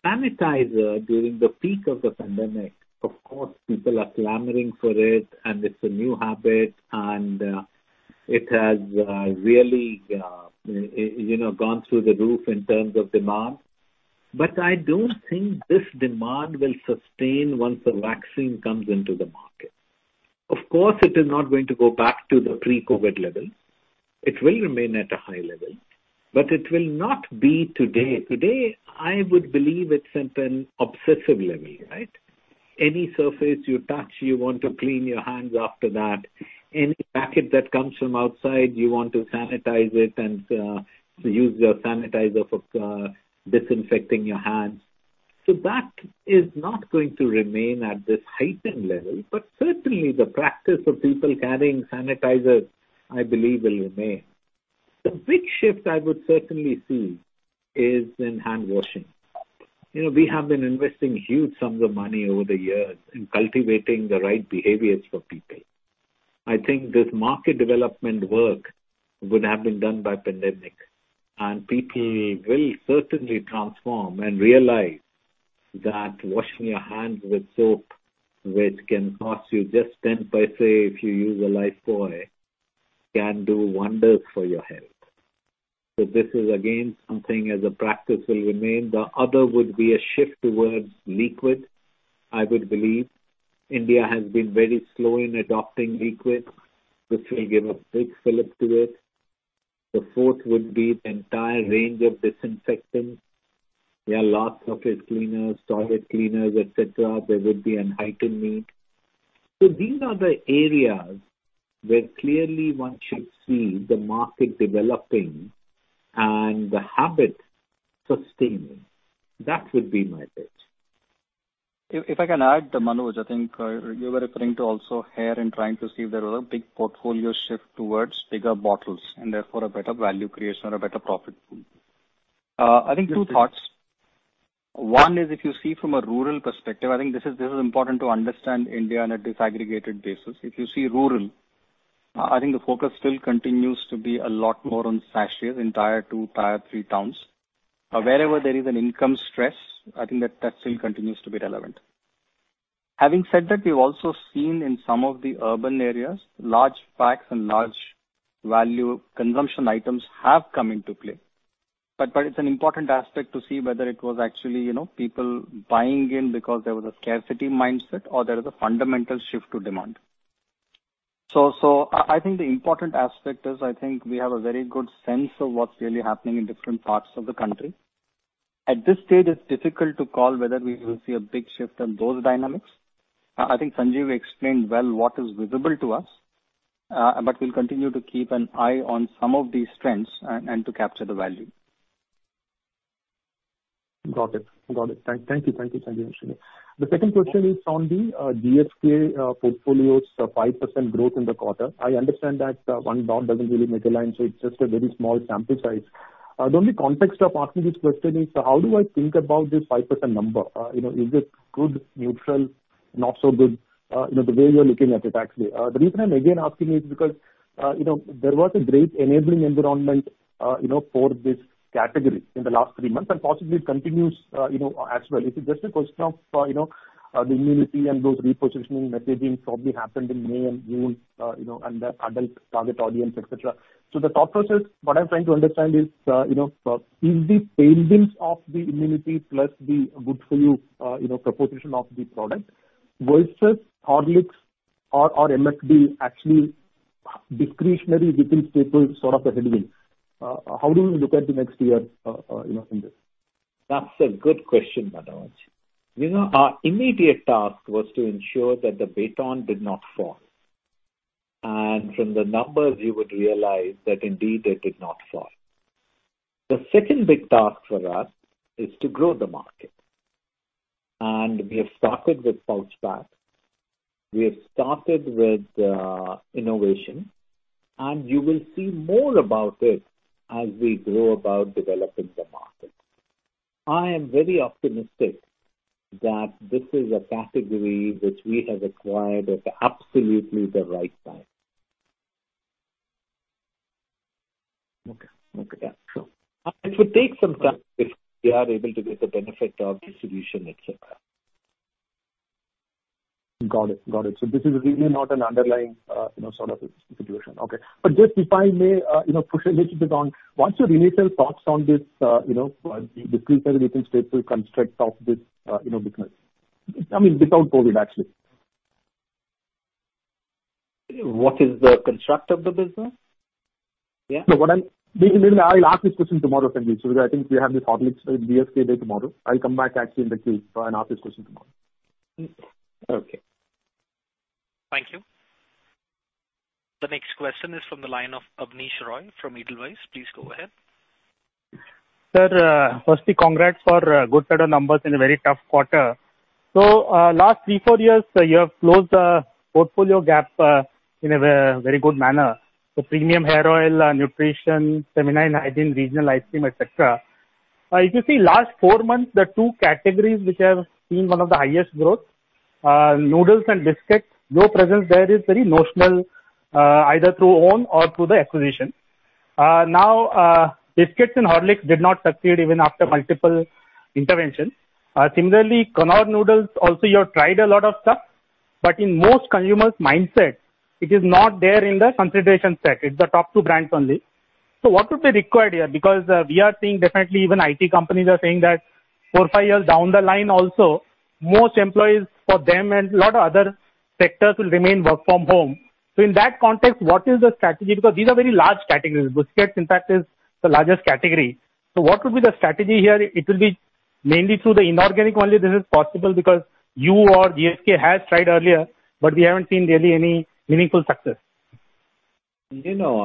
Sanitizer during the peak of the pandemic, of course, people are clamoring for it, and it's a new habit, and it has really gone through the roof in terms of demand. I don't think this demand will sustain once the vaccine comes into the market. Of course, it is not going to go back to the pre-COVID level. It will remain at a high level, but it will not be today. Today, I would believe it's at an obsessive level, right? Any surface you touch, you want to clean your hands after that. Any packet that comes from outside, you want to sanitize it and use your sanitizer for disinfecting your hands. So that is not going to remain at this heightened level, but certainly the practice of people carrying sanitizers, I believe, will remain. The big shift I would certainly see is in handwashing. We have been investing huge sums of money over the years in cultivating the right behaviors for people. I think this market development work would have been done by the pandemic, and people will certainly transform and realize that washing your hands with soap, which can cost you just 10 paise if you use a Lifebuoy, can do wonders for your health. So this is, again, something as a practice will remain. The other would be a shift towards liquid, I would believe. India has been very slow in adopting liquid. This will give a big fillip to it. The fourth would be the entire range of disinfectants. There are lots of surface cleaners, toilet cleaners, etc. There would be a heightened need. So these are the areas where clearly one should see the market developing and the habit sustaining. That would be my pitch. If I can add, Manoj, I think you were referring to also hair and trying to see if there was a big portfolio shift towards bigger bottles and therefore a better value creation or a better profit pool. I think two thoughts. One is if you see from a rural perspective, I think this is important to understand India on a disaggregated basis. If you see rural, I think the focus still continues to be a lot more on sachets, tier two, tier three towns. Wherever there is an income stress, I think that still continues to be relevant. Having said that, we've also seen in some of the urban areas, large packs and large value consumption items have come into play. It's an important aspect to see whether it was actually people buying in because there was a scarcity mindset or there was a fundamental shift to demand. So I think the important aspect is I think we have a very good sense of what's really happening in different parts of the country. At this stage, it's difficult to call whether we will see a big shift in those dynamics. I think Sanjiv explained well what is visible to us, but we'll continue to keep an eye on some of these trends and to capture the value. Got it. Got it. Thank you. Thank you, Sanjiv and Srinivas. The second question is on the GSK portfolio's 5% growth in the quarter. I understand that one dot doesn't really make a line, so it's just a very small sample size. The only context of asking this question is, how do I think about this 5% number? Is it good, neutral, not so good? The way you're looking at it, actually. The reason I'm again asking is because there was a great enabling environment for this category in the last three months and possibly continues as well. Is it just a question of the immunity and those repositioning messaging probably happened in May and June and the adult target audience, etc.? So the thought process, what I'm trying to understand is, is the tailwinds of the immunity plus the good-for-you proposition of the product versus Horlicks or HFD actually discretionary within Staples sort of a headwind? How do we look at the next year in this? That's a good question, Manoj. Our immediate task was to ensure that the baton did not fall. From the numbers, you would realize that indeed it did not fall. The second big task for us is to grow the market. We have started with pouch packs. We have started with innovation, and you will see more about it as we grow about developing the market. I am very optimistic that this is a category which we have acquired at absolutely the right time. Okay. Okay. So it would take some time if we are able to get the benefit of distribution, etc. Got it. Got it. So this is really not an underlying sort of situation. Okay just if I may push a little bit on, what's your initial thoughts on this discretionary within staples construct of this business? I mean, without COVID, actually. What is the construct of the business? Yeah. So what I'll ask this question tomorrow, Sanjiv, because I think we have this Horlicks GSK day tomorrow. I'll come back actually in the queue and ask this question tomorrow. Okay. Thank you. The next question is from the line of Abneesh Roy from Edelweiss. Please go ahead. Sir, firstly, congrats for a good set of numbers in a very tough quarter. So last three, four years, you have closed the portfolio gap in a very good manner. So premium hair oil, nutrition, semi-premium, hygiene, regional ice cream, etc. If you see last four months, the two categories which have seen one of the highest growth, noodles and biscuits, your presence there is very nominal, either through own or through the acquisition. Now, biscuits and Horlicks did not succeed even after multiple interventions. Similarly, Knorr Noodles, also you have tried a lot of stuff, but in most consumers' mindset, it is not there in the consideration set. It's the top two brands only. So what would be required here? Because we are seeing definitely even IT companies are saying that four, five years down the line, also most employees for them and a lot of other sectors will remain work from home. So in that context, what is the strategy? Because these are very large categories. Biscuits, in fact, is the largest category. So what would be the strategy here? It will be mainly through the inorganic only. This is possible because you or GSK has tried earlier, but we haven't seen really any meaningful success. You know,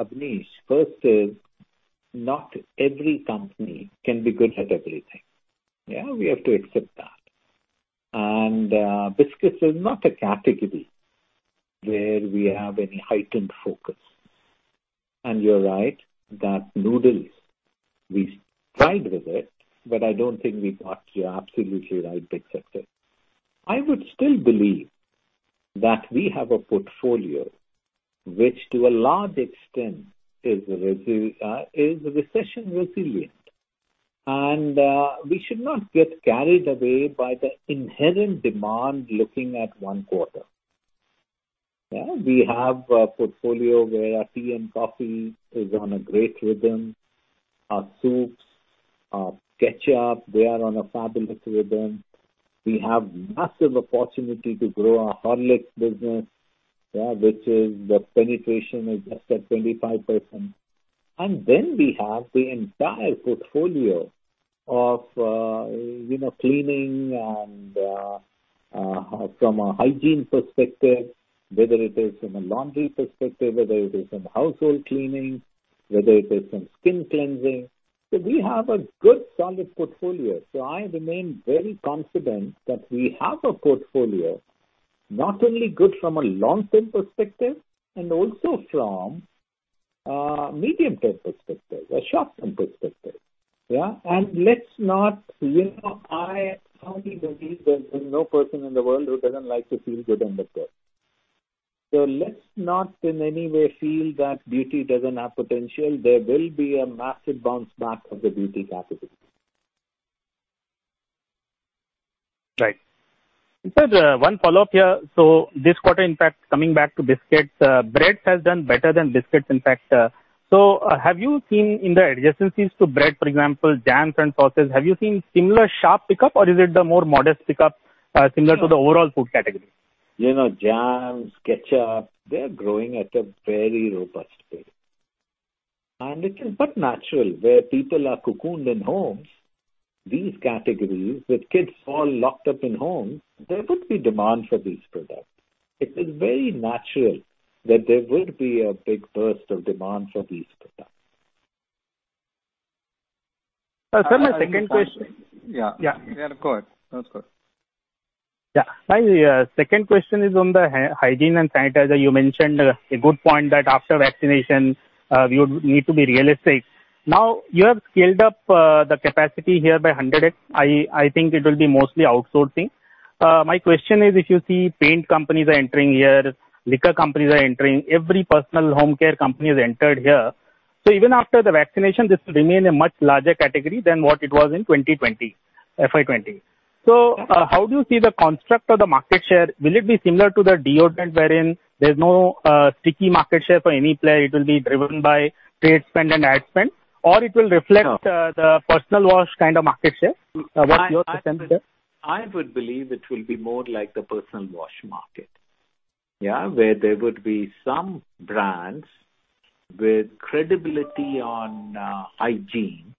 Abneesh, first is not every company can be good at everything. Yeah, we have to accept that. Biscuits is not a category where we have any heightened focus. You're right that noodles, we tried with it, but I don't think we got it absolutely right big success. I would still believe that we have a portfolio which to a large extent is recession resilient. We should not get carried away by the inherent demand looking at one quarter. Yeah, we have a portfolio where our tea and coffee is on a great rhythm. Our soups, our ketchup, they are on a fabulous rhythm. We have massive opportunity to grow our Horlicks business, which is the penetration is just at 25%. Then we have the entire portfolio of cleaning and from a hygiene perspective, whether it is from a laundry perspective, whether it is from household cleaning, whether it is from skin cleansing. So we have a good solid portfolio. I remain very confident that we have a portfolio not only good from a long-term perspective and also from a medium-term perspective, a short-term perspective. Yeah. Let's not. I only believe there's no person in the world who doesn't like to feel good on the go. So let's not in any way feel that beauty doesn't have potential. There will be a massive bounce back of the beauty category. Right. In fact, one follow-up here. So this quarter, in fact, coming back to biscuits, bread has done better than biscuits, in fact. So have you seen in the adjacencies to bread, for example, jams and sauces, have you seen similar sharp pickup, or is it the more modest pickup similar to the overall food category? You know, jams, ketchup, they're growing at a very robust pace. It is but natural where people are cocooned in homes, these categories with kids all locked up in homes, there would be demand for these products. It is very natural that there would be a big burst of demand for these products. That's my second question. My second question is on the hygiene and sanitizer. You mentioned a good point that after vaccination, you would need to be realistic. Now, you have scaled up the capacity here by 100x. I think it will be mostly outsourcing. My question is, if you see paint companies are entering here, liquor companies are entering, every personal home care company has entered here. So even after the vaccination, this will remain a much larger category than what it was in 2020, FY20. So how do you see the construct of the market share? Will it be similar to the deodorant wherein there's no sticky market share for any player? It will be driven by trade spend and ad spend, or it will reflect the personal wash kind of market share? What's your perception there? I would believe it will be more like the personal wash market, yeah, where there would be some brands with credibility on hygiene,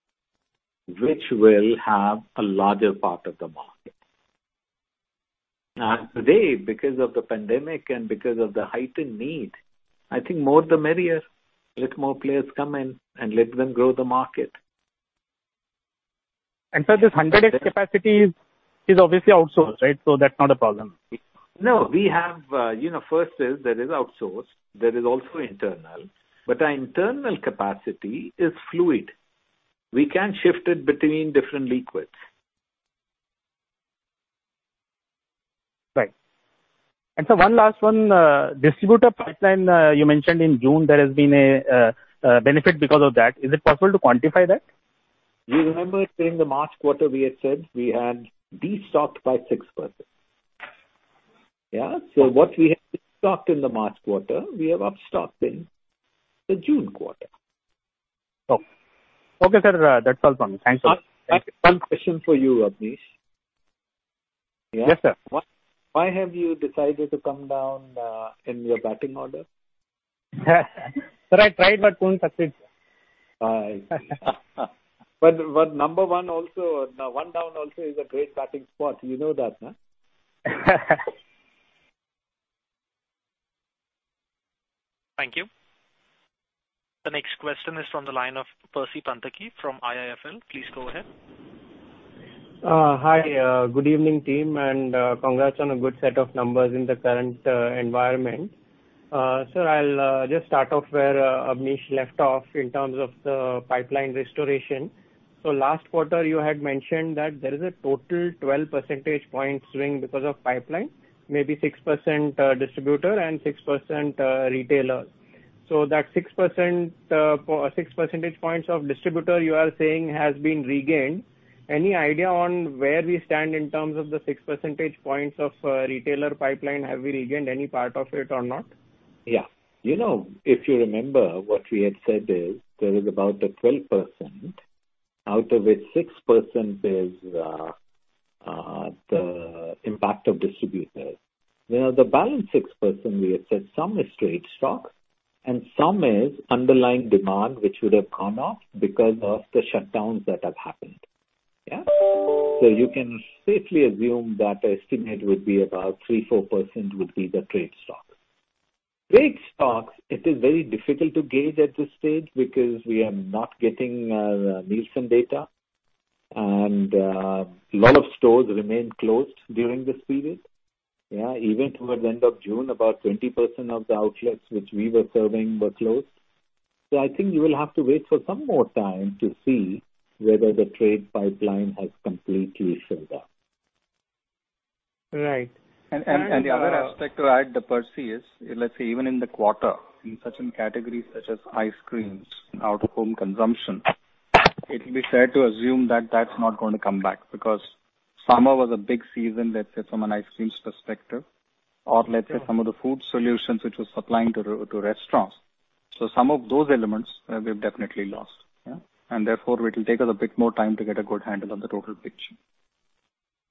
which will have a larger part of the market. Today, because of the pandemic and because of the heightened need, I think more the merrier. Let more players come in and let them grow the market. Sir, this 100x capacity is obviously outsourced, right? So that's not a problem. No, we have, first is there is outsourced. There is also internal. Our internal capacity is fluid. We can shift it between different liquids. Right and sir, one last one. Distributor pipeline, you mentioned in June there has been a benefit because of that. Is it possible to quantify that? You remember during the March quarter, we had said we had destocked by 6%. Yeah. So what we had stocked in the March quarter, we have upstocked in the June quarter. Okay. Okay, sir. That's all from me. Thank you. One question for you, Abneesh. Yeah? Yes, sir. Why have you decided to come down in your batting order? Sir, I tried, but couldn't succeed. Number one also, one down also is a great batting spot. You know that, huh? Thank you. The next question is from the line of Percy Panthaki from IIFL. Please go ahead. Hi. Good evening, team. Congrats on a good set of numbers in the current environment. Sir, I'll just start off where Abneesh left off in terms of the pipeline restoration. So last quarter, you had mentioned that there is a total 12 percentage point swing because of pipeline, maybe 6% distributor and 6% retailer. So that 6% percentage points of distributor you are saying has been regained. Any idea on where we stand in terms of the 6 percentage points of retailer pipeline? Have we regained any part of it or not? Yeah. You know, if you remember what we had said is there is about the 12% out of which 6% is the impact of distributor. The balance 6% we had said some is trade stock and some is underlying demand, which would have gone off because of the shutdowns that have happened. Yeah. So you can safely assume that the estimate would be about 3-4% would be the trade stock. Trade stocks, it is very difficult to gauge at this stage because we are not getting Nielsen data. A lot of stores remain closed during this period. Yeah. Even towards the end of June, about 20% of the outlets which we were serving were closed. So I think you will have to wait for some more time to see whether the trade pipeline has completely filled up. Right. The other aspect to add, Percy, is let's say even in the quarter, in such categories such as ice creams and out-of-home consumption, it will be fair to assume that that's not going to come back because summer was a big season, let's say, from an ice cream perspective, or let's say some of the food solutions which were supplying to restaurants. So some of those elements we've definitely lost. Yeah and therefore, it will take us a bit more time to get a good handle on the total picture.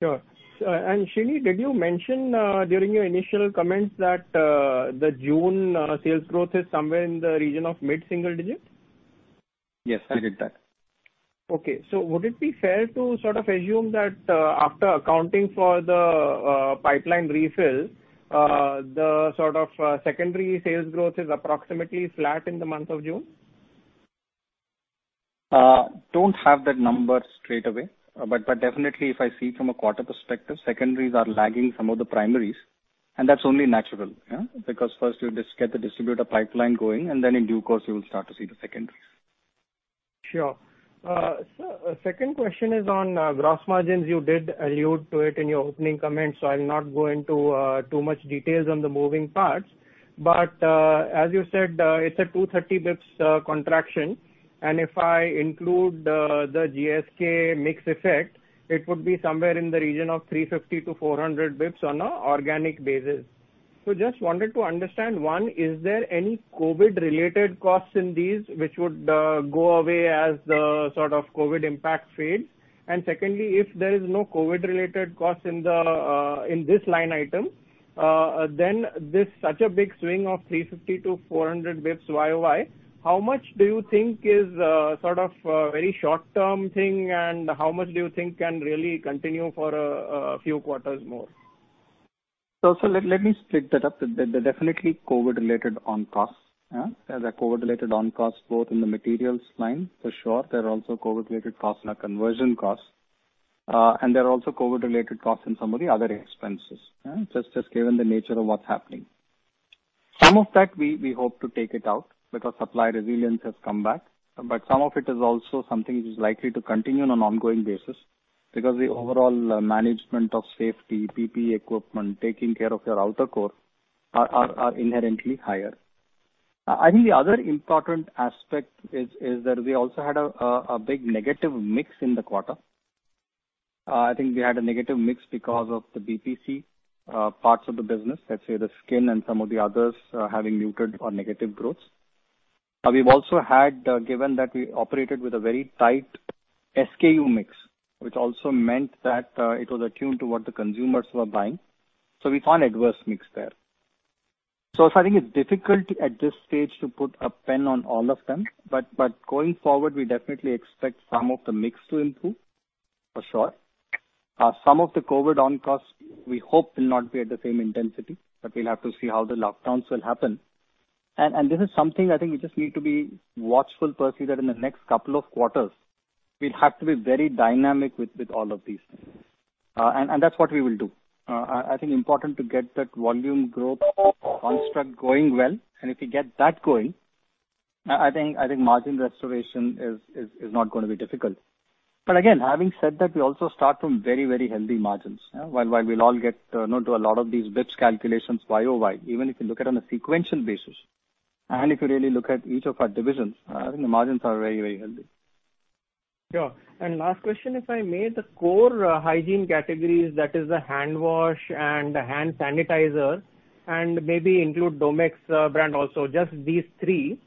Sure. Srini, did you mention during your initial comments that the June sales growth is somewhere in the region of mid-single digit? Yes, I did that. Okay. So would it be fair to sort of assume that after accounting for the pipeline refill, the sort of secondary sales growth is approximately flat in the month of June? Don't have that number straightaway. Definitely, if I see from a quarter perspective, secondaries are lagging some of the primaries. That's only natural, yeah, because first you just get the distributor pipeline going, and then in due course, you will start to see the secondaries. Sure. Sir, a second question is on gross margins. You did allude to it in your opening comments, so I'll not go into too much details on the moving parts. As you said, it's a 230 basis points contraction. If I include the GSK mix effect, it would be somewhere in the region of 350-400 basis points on an organic basis. So just wanted to understand, one, is there any COVID-related costs in these which would go away as the sort of COVID impact fades? Secondly, if there is no COVID-related costs in this line item, then this such a big swing of 350-400 basis points YoY, how much do you think is sort of a very short-term thing, and how much do you think can really continue for a few quarters more? So let me split that up. There are definitely COVID-related on-costs. There are COVID-related on-costs both in the materials line, for sure. There are also COVID-related costs in conversion costs. There are also COVID-related costs in some of the other expenses, just given the nature of what's happening. Some of that, we hope to take it out because supply resilience has come back. Some of it is also something which is likely to continue on an ongoing basis because the overall management of safety, PPE equipment, taking care of your workforce are inherently higher. I think the other important aspect is that we also had a big negative mix in the quarter. I think we had a negative mix because of the BPC parts of the business, let's say the skin and some of the others having muted or negative growths. We've also had, given that we operated with a very tight SKU mix, which also meant that it was attuned to what the consumers were buying. So we found adverse mix there. So I think it's difficult at this stage to put a pin on all of them. Going forward, we definitely expect some of the mix to improve, for sure. Some of the COVID on-costs, we hope will not be at the same intensity, but we'll have to see how the lockdowns will happen. This is something I think we just need to be watchful, Percy, that in the next couple of quarters, we'll have to be very dynamic with all of these things. That's what we will do. I think important to get that volume growth construct going well. If we get that going, I think margin restoration is not going to be difficult. Again, having said that, we also start from very, very healthy margins. While we'll all get to a lot of these basis points calculations YoY, even if you look at it on a sequential basis, and if you really look at each of our divisions, I think the margins are very, very healthy. Sure, and last question, if I may, the core hygiene categories, that is the hand wash and the hand sanitizer, and maybe include Domex brand also, just these three.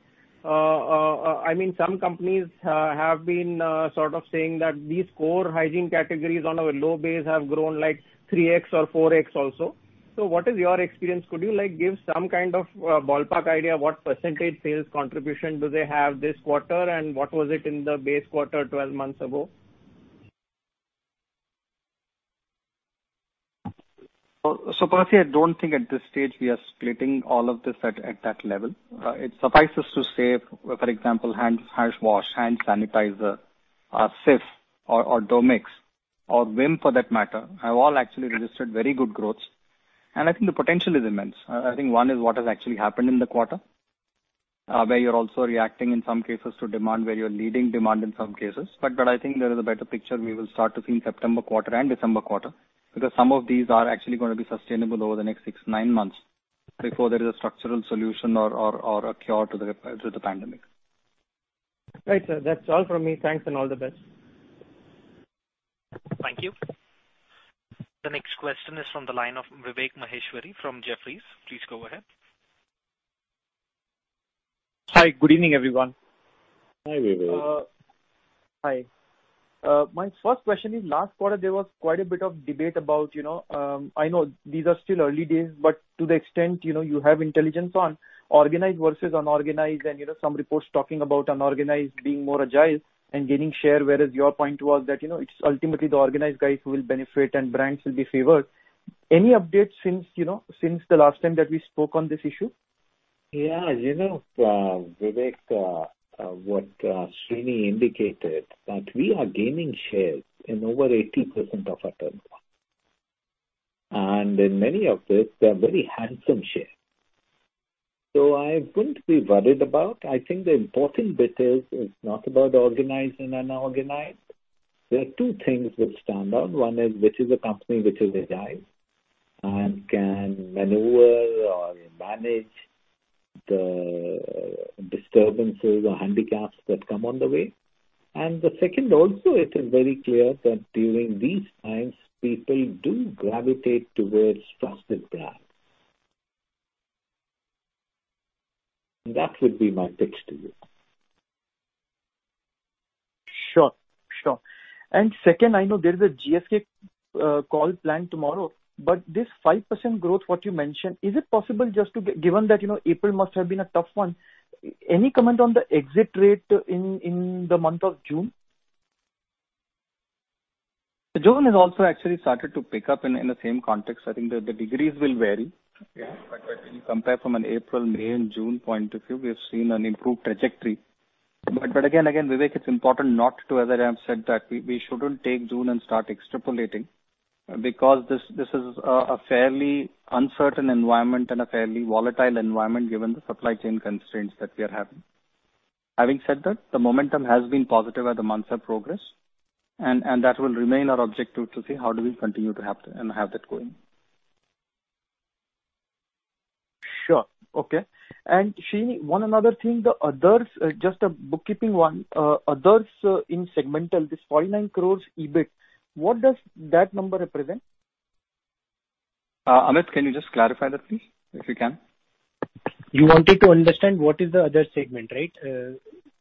I mean, some companies have been sort of saying that these core hygiene categories on a low base have grown like 3x or 4x also. So what is your experience? Could you give some kind of ballpark idea what percentage sales contribution do they have this quarter, and what was it in the base quarter 12 months ago? So, Percy, I don't think at this stage we are splitting all of this at that level. It suffices to say, for example, hand wash, hand sanitizer, SIF, or Domex, or Vim for that matter, have all actually registered very good growths. I think the potential is immense. I think one is what has actually happened in the quarter, where you're also reacting in some cases to demand, where you're leading demand in some cases. I think there is a better picture we will start to see in September quarter and December quarter because some of these are actually going to be sustainable over the next six to nine months before there is a structural solution or a cure to the pandemic. Right, sir. That's all from me. Thanks and all the best. Thank you. The next question is from the line of Vivek Maheshwari from Jefferies. Please go ahead. Hi. Good evening, everyone. Hi, Vivek. Hi. My first question is, last quarter, there was quite a bit of debate about. I know these are still early days, but to the extent you have intelligence on organized versus unorganized, and some reports talking about unorganized being more agile and gaining share, whereas your point was that it's ultimately the organized guys who will benefit and brands will be favored. Any updates since the last time that we spoke on this issue? Yeah. You know, Vivek, what Shini indicated, that we are gaining shares in over 80% of our turnover. In many of this, they're very handsome shares. So I wouldn't be worried about. I think the important bit is it's not about organized and unorganized. There are two things which stand out. One is which is a company which is agile and can maneuver or manage the disturbances or handicaps that come on the way. The second, also, it is very clear that during these times, people do gravitate towards trusted brands. That would be my pitch to you. Sure. Sure. Second, I know there is a GSK call planned tomorrow. This 5% growth, what you mentioned, is it possible just to given that April must have been a tough one, any comment on the exit rate in the month of June? June has also actually started to pick up in the same context. I think the degrees will vary. When you compare from an April, May, and June point of view, we have seen an improved trajectory. Again, Vivek, it's important not to, as I have said, that we shouldn't take June and start extrapolating because this is a fairly uncertain environment and a fairly volatile environment given the supply chain constraints that we are having. Having said that, the momentum has been positive as the months have progressed. That will remain our objective to see how do we continue to have that going. Sure. Okay. Srini, one other thing, the others, just a bookkeeping one, others in segmental, this 49 crores EBIT, what does that number represent? Amit, can you just clarify that, please, if you can? You wanted to understand what is the other segment, right,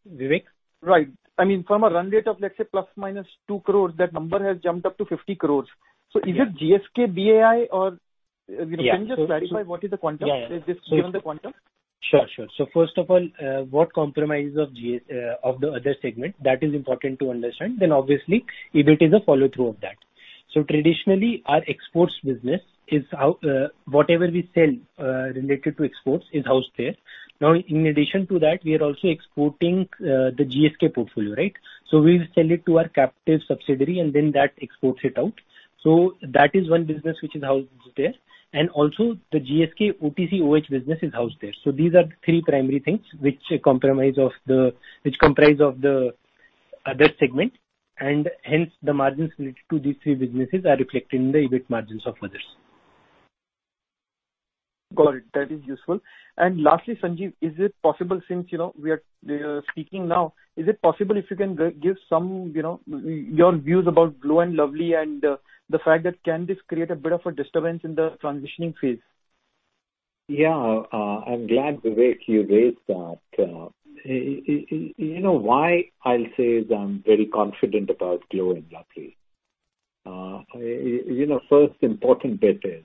Vivek? Right. I mean, from a run rate of, let's say, plus minus 2 crores, that number has jumped up to 50 crores. So is it GSK, BAI, or can you just clarify what is the quantum? Is this given the quantum? Sure. Sure. So first of all, what comprises of the other segment, that is important to understand. Then, obviously, EBIT is a follow-through of that. So traditionally, our exports business is whatever we sell related to exports is housed there. Now, in addition to that, we are also exporting the GSK portfolio, right? So we sell it to our captive subsidiary, and then that exports it out. So that is one business which is housed there. The GSK OTC OH business is housed there. So these are three primary things which comprise of the other segment. Hence, the margins related to these three businesses are reflected in the EBIT margins of others. Got it. That is useful. Lastly, Sanjiv, is it possible, since we are speaking now, is it possible if you can give some of your views about Glow & Lovely and the fact that can this create a bit of a disturbance in the transitioning phase? Yeah. I'm glad, Vivek, you raised that. What I'll say is I'm very confident about Glow & Lovely. First, important bit is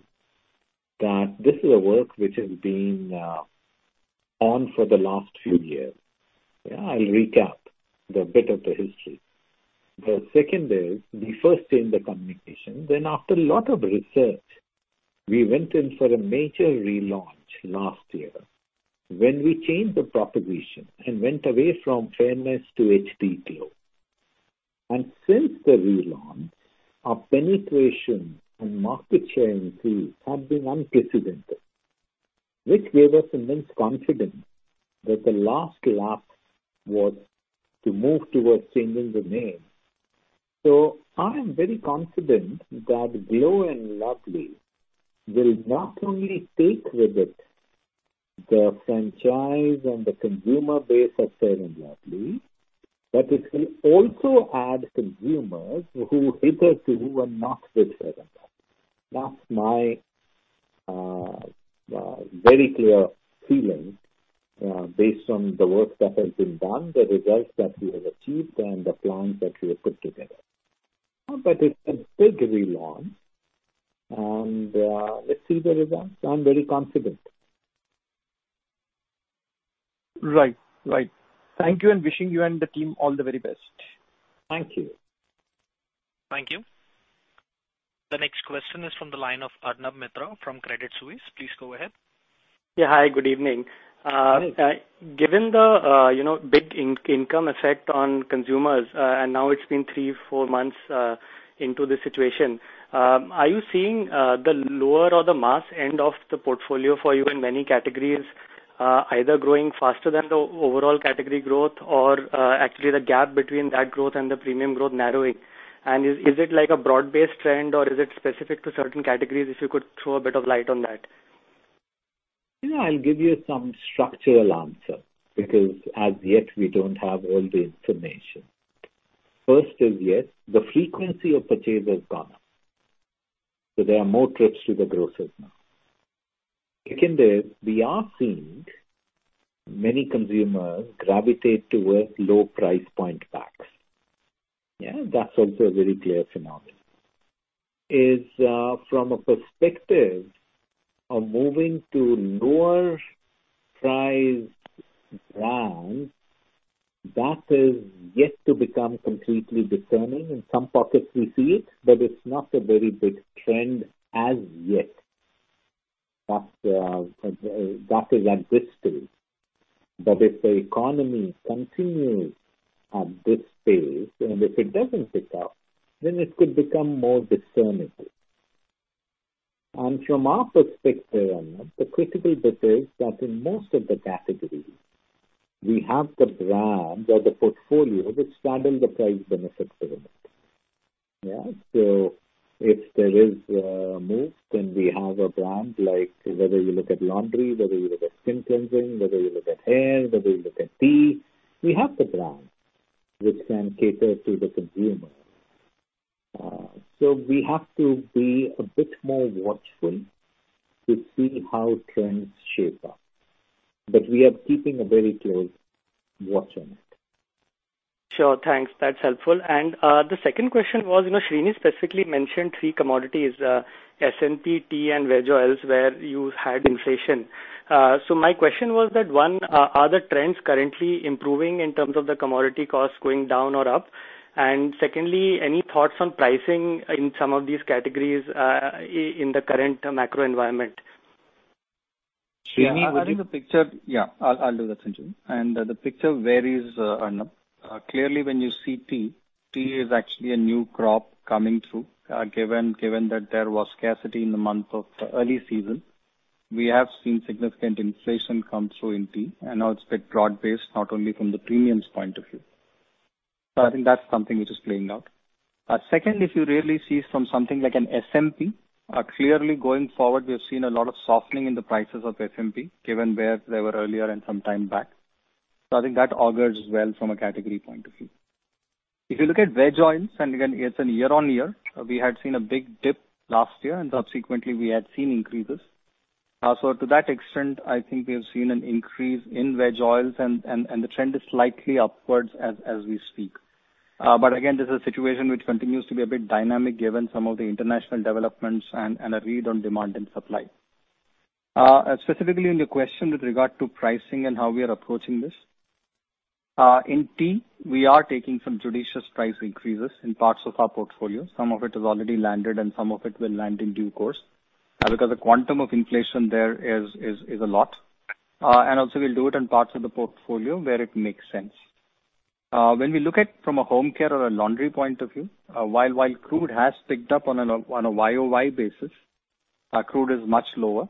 that this is a work which has been on for the last few years. Yeah. I'll recap the bit of the history. The second is we first changed the communication. Then, after a lot of research, we went in for a major relaunch last year when we changed the proposition and went away from fairness to glow. Since the relaunch, our penetration and market share increase have been unprecedented, which gave us immense confidence that the last lap was to move towards changing the name. So I am very confident that Glow & Lovely will not only take with it the franchise and the consumer base of Fair & Lovely, but it will also add consumers who hitherto were not with Fair & Lovely. That's my very clear feeling based on the work that has been done, the results that we have achieved, and the plans that we have put together. It's a big relaunch. Let's see the results. I'm very confident. Right. Right. Thank you. Wishing you and the team all the very best. Thank you. Thank you. The next question is from the line of Arnab Mitra from Credit Suisse. Please go ahead. Yeah. Hi. Good evening. Given the big income effect on consumers, and now it's been three, four months into the situation, are you seeing the lower or the mass end of the portfolio for you in many categories either growing faster than the overall category growth or actually the gap between that growth and the premium growth narrowing? And is it a broad-based trend, or is it specific to certain categories? If you could throw a bit of light on that. I'll give you some structural answer because as yet, we don't have all the information. First is, yes, the frequency of purchase has gone up. So there are more trips to the grocer now. Second is, we are seeing many consumers gravitate towards low price point packs. Yeah. That's also a very clear phenomenon. Is from a perspective of moving to lower-priced brands, that is yet to become completely determined. In some pockets, we see it, but it's not a very big trend as yet. That is at this stage. If the economy continues at this pace, and if it doesn't pick up, then it could become more discernible. From our perspective, Arnab, the critical bit is that in most of the categories, we have the brands or the portfolio which straddle the price benefit pyramid. Yeah. So if there is a move, then we have a brand like whether you look at laundry, whether you look at skin cleansing, whether you look at hair, whether you look at tea, we have the brand which can cater to the consumer. So we have to be a bit more watchful to see how trends shape up. We are keeping a very close watch on it. Sure. Thanks. That's helpful. The second question was, Srinivas specifically mentioned three commodities: soap, tea, and sugar. Elsewhere you had inflation. So my question was that, one, are the trends currently improving in terms of the commodity costs going down or up? And secondly, any thoughts on pricing in some of these categories in the current macro environment? Srinivas, I think the picture. Yeah, I'll do that, Sanjiv. The picture varies, ArnaB. Clearly, when you see tea, tea is actually a new crop coming through. Given that there was scarcity in the month of early season, we have seen significant inflation come through in tea. Now it's a bit broad-based, not only from the premiums point of view. So I think that's something which is playing out. Second, if you really see from something like an SMP, clearly going forward, we have seen a lot of softening in the prices of SMP given where they were earlier and some time back. So I think that augurs well from a category point of view. If you look at vegetable oils, and again, it's a year-on-year. We had seen a big dip last year, and subsequently, we had seen increases. So to that extent, I think we have seen an increase in vegetable oils, and the trend is slightly upwards as we speak. Again, this is a situation which continues to be a bit dynamic given some of the international developments and a read on demand and supply. Specifically, in your question with regard to pricing and how we are approaching this, in tea, we are taking some judicious price increases in parts of our portfolio. Some of it has already landed, and some of it will land in due course because the quantum of inflation there is a lot. We'll do it in parts of the portfolio where it makes sense. When we look at from a home care or a laundry point of view, while crude has picked up on a YoY basis, crude is much lower.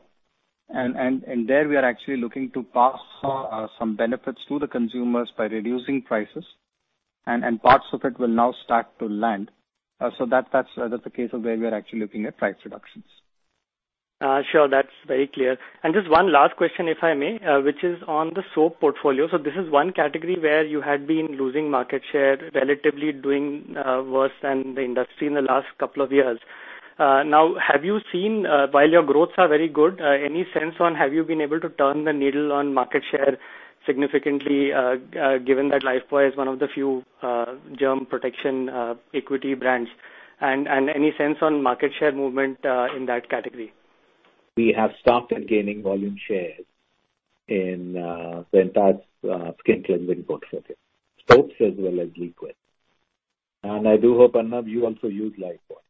There, we are actually looking to pass some benefits to the consumers by reducing prices. Parts of it will now start to land. So that's the case of where we are actually looking at price reductions. Sure. That's very clear. Just one last question, if I may, which is on the soap portfolio. So this is one category where you had been losing market share relatively, doing worse than the industry in the last couple of years. Now, have you seen, while your growths are very good, any sense on have you been able to turn the needle on market share significantly given that Lifebuoy is one of the few germ protection equity brands? And any sense on market share movement in that category? We have stopped at gaining volume shares in the entire skin cleansing portfolio, soaps as well as liquids. I do hope, Arnav, you also use Lifebuoy.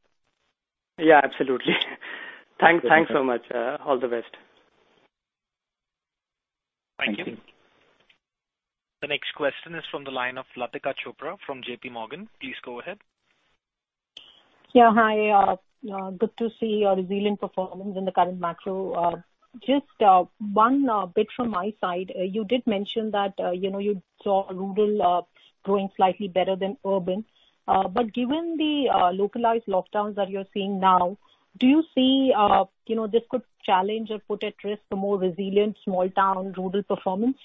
Yeah. Absolutely. Thanks so much. All the best. Thank you. The next question is from the line of Latika Chopra from JPMorgan. Please go ahead. Yeah. Hi. Good to see your resilient performance in the current macro. Just one bit from my side. You did mention that you saw rural growing slightly better than urban. Given the localized lockdowns that you're seeing now, do you see this could challenge or put at risk the more resilient small-town rural performance?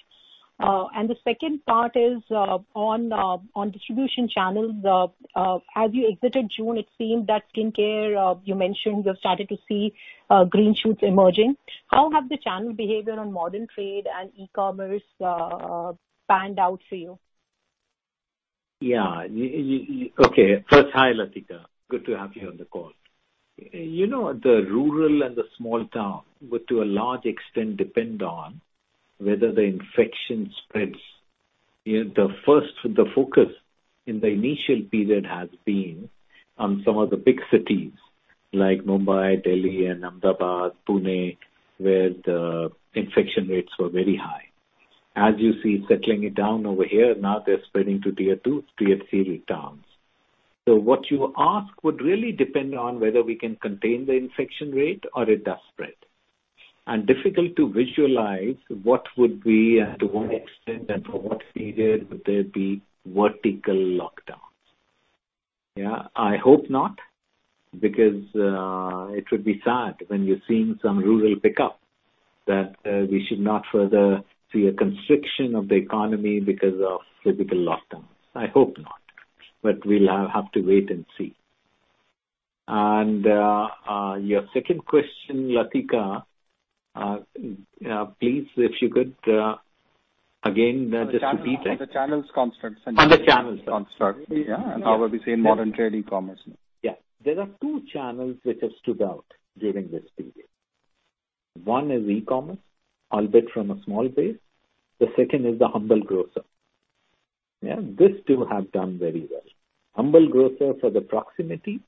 And the second part is on distribution channels. As you exited June, it seemed that skincare, you mentioned you've started to see green shoots emerging. How have the channel behavior on modern trade and e-commerce panned out for you? Yeah. Okay. First, hi, Latika. Good to have you on the call. The rural and the small town would, to a large extent, depend on whether the infection spreads. The focus in the initial period has been on some of the big cities like Mumbai, Delhi, and Ahmedabad, Pune, where the infection rates were very high. As you see settling it down over here, now they're spreading to tier two, tier three towns. So what you ask would really depend on whether we can contain the infection rate or it does spread. Difficult to visualize what would be, to what extent, and for what period would there be vertical lockdowns. Yeah. I hope not because it would be sad when you're seeing some rural pickup that we should not further see a constriction of the economy because of physical lockdowns. I hope not. We'll have to wait and see. Your second question, Latika, please, if you could, again, just repeat it. Yeah. On the channels contribution. On the channels, sorry. Yeah.How are we seeing modern trade, e-commerce now? Yeah. There are two channels which have stood out during this period. One is e-commerce, albeit from a small base. The second is the humble grocer. Yeah. These two have done very well. Humble grocer for the proximity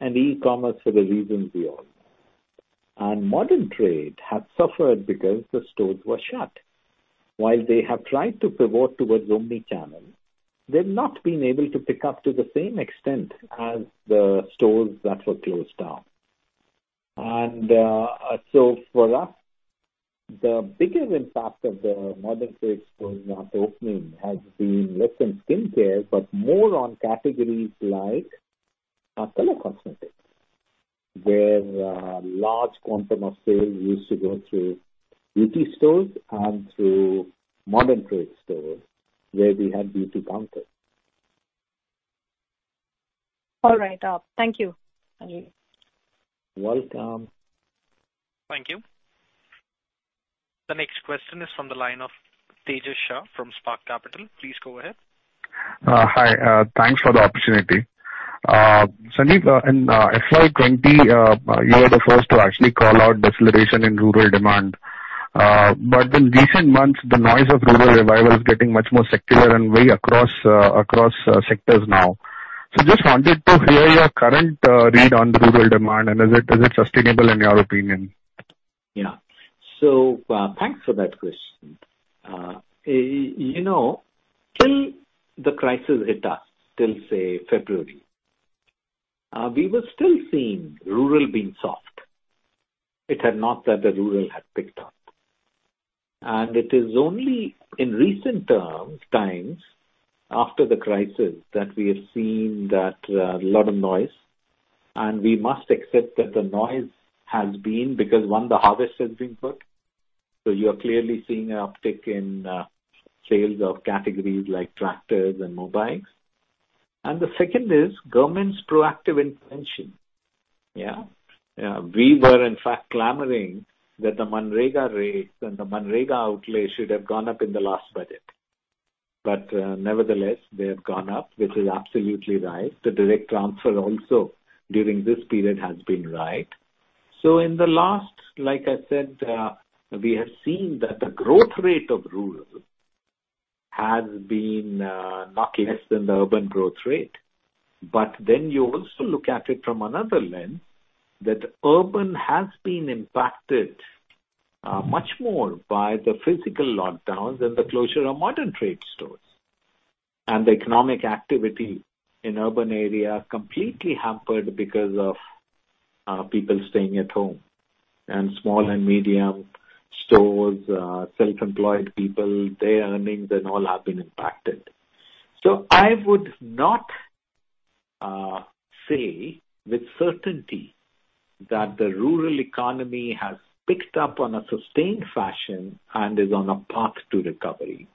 and e-commerce for the reasons we all know, and modern trade has suffered because the stores were shut. While they have tried to pivot towards omni-channel, they've not been able to pick up to the same extent as the stores that were closed down, and so for us, the bigger impact of the modern trade exposure after opening has been less on skincare but more on categories like color cosmetics, where large quantum of sales used to go through beauty stores and through modern trade stores where we had beauty counters All right. Thank you, Sanjiv. Welcome. Thank you. The next question is from the line of Tejas Shah from Spark Capital. Please go ahead. Hi. Thanks for the opportunity. Sanjiv, in FY20, you were the first to actually call out deceleration in rural demand. In recent months, the noise of rural revival is getting much more secular and way across sectors now. So just wanted to hear your current read on rural demand and is it sustainable in your opinion? Yeah. So thanks for that question. Till the crisis hit us, till say February, we were still seeing rural being soft. It had not that the rural had picked up. It is only in recent times after the crisis that we have seen that a lot of noise. We must accept that the noise has been because, one, the harvest has been good. So you are clearly seeing an uptick in sales of categories like tractors and motor bikes. The second is government's proactive intervention. Yeah. We were, in fact, clamoring that the MGNREGA rates and the MGNREGA outlay should have gone up in the last budget. Nevertheless, they have gone up, which is absolutely right. The direct transfer also during this period has been right. So in the last, like I said, we have seen that the growth rate of rural has been not less than the urban growth rate. Then you also look at it from another lens that urban has been impacted much more by the physical lockdowns and the closure of modern trade stores. The economic activity in urban area completely hampered because of people staying at home. Small and medium stores, self-employed people, their earnings and all have been impacted. So I would not say with certainty that the rural economy has picked up on a sustained fashion and is on a path to recovery.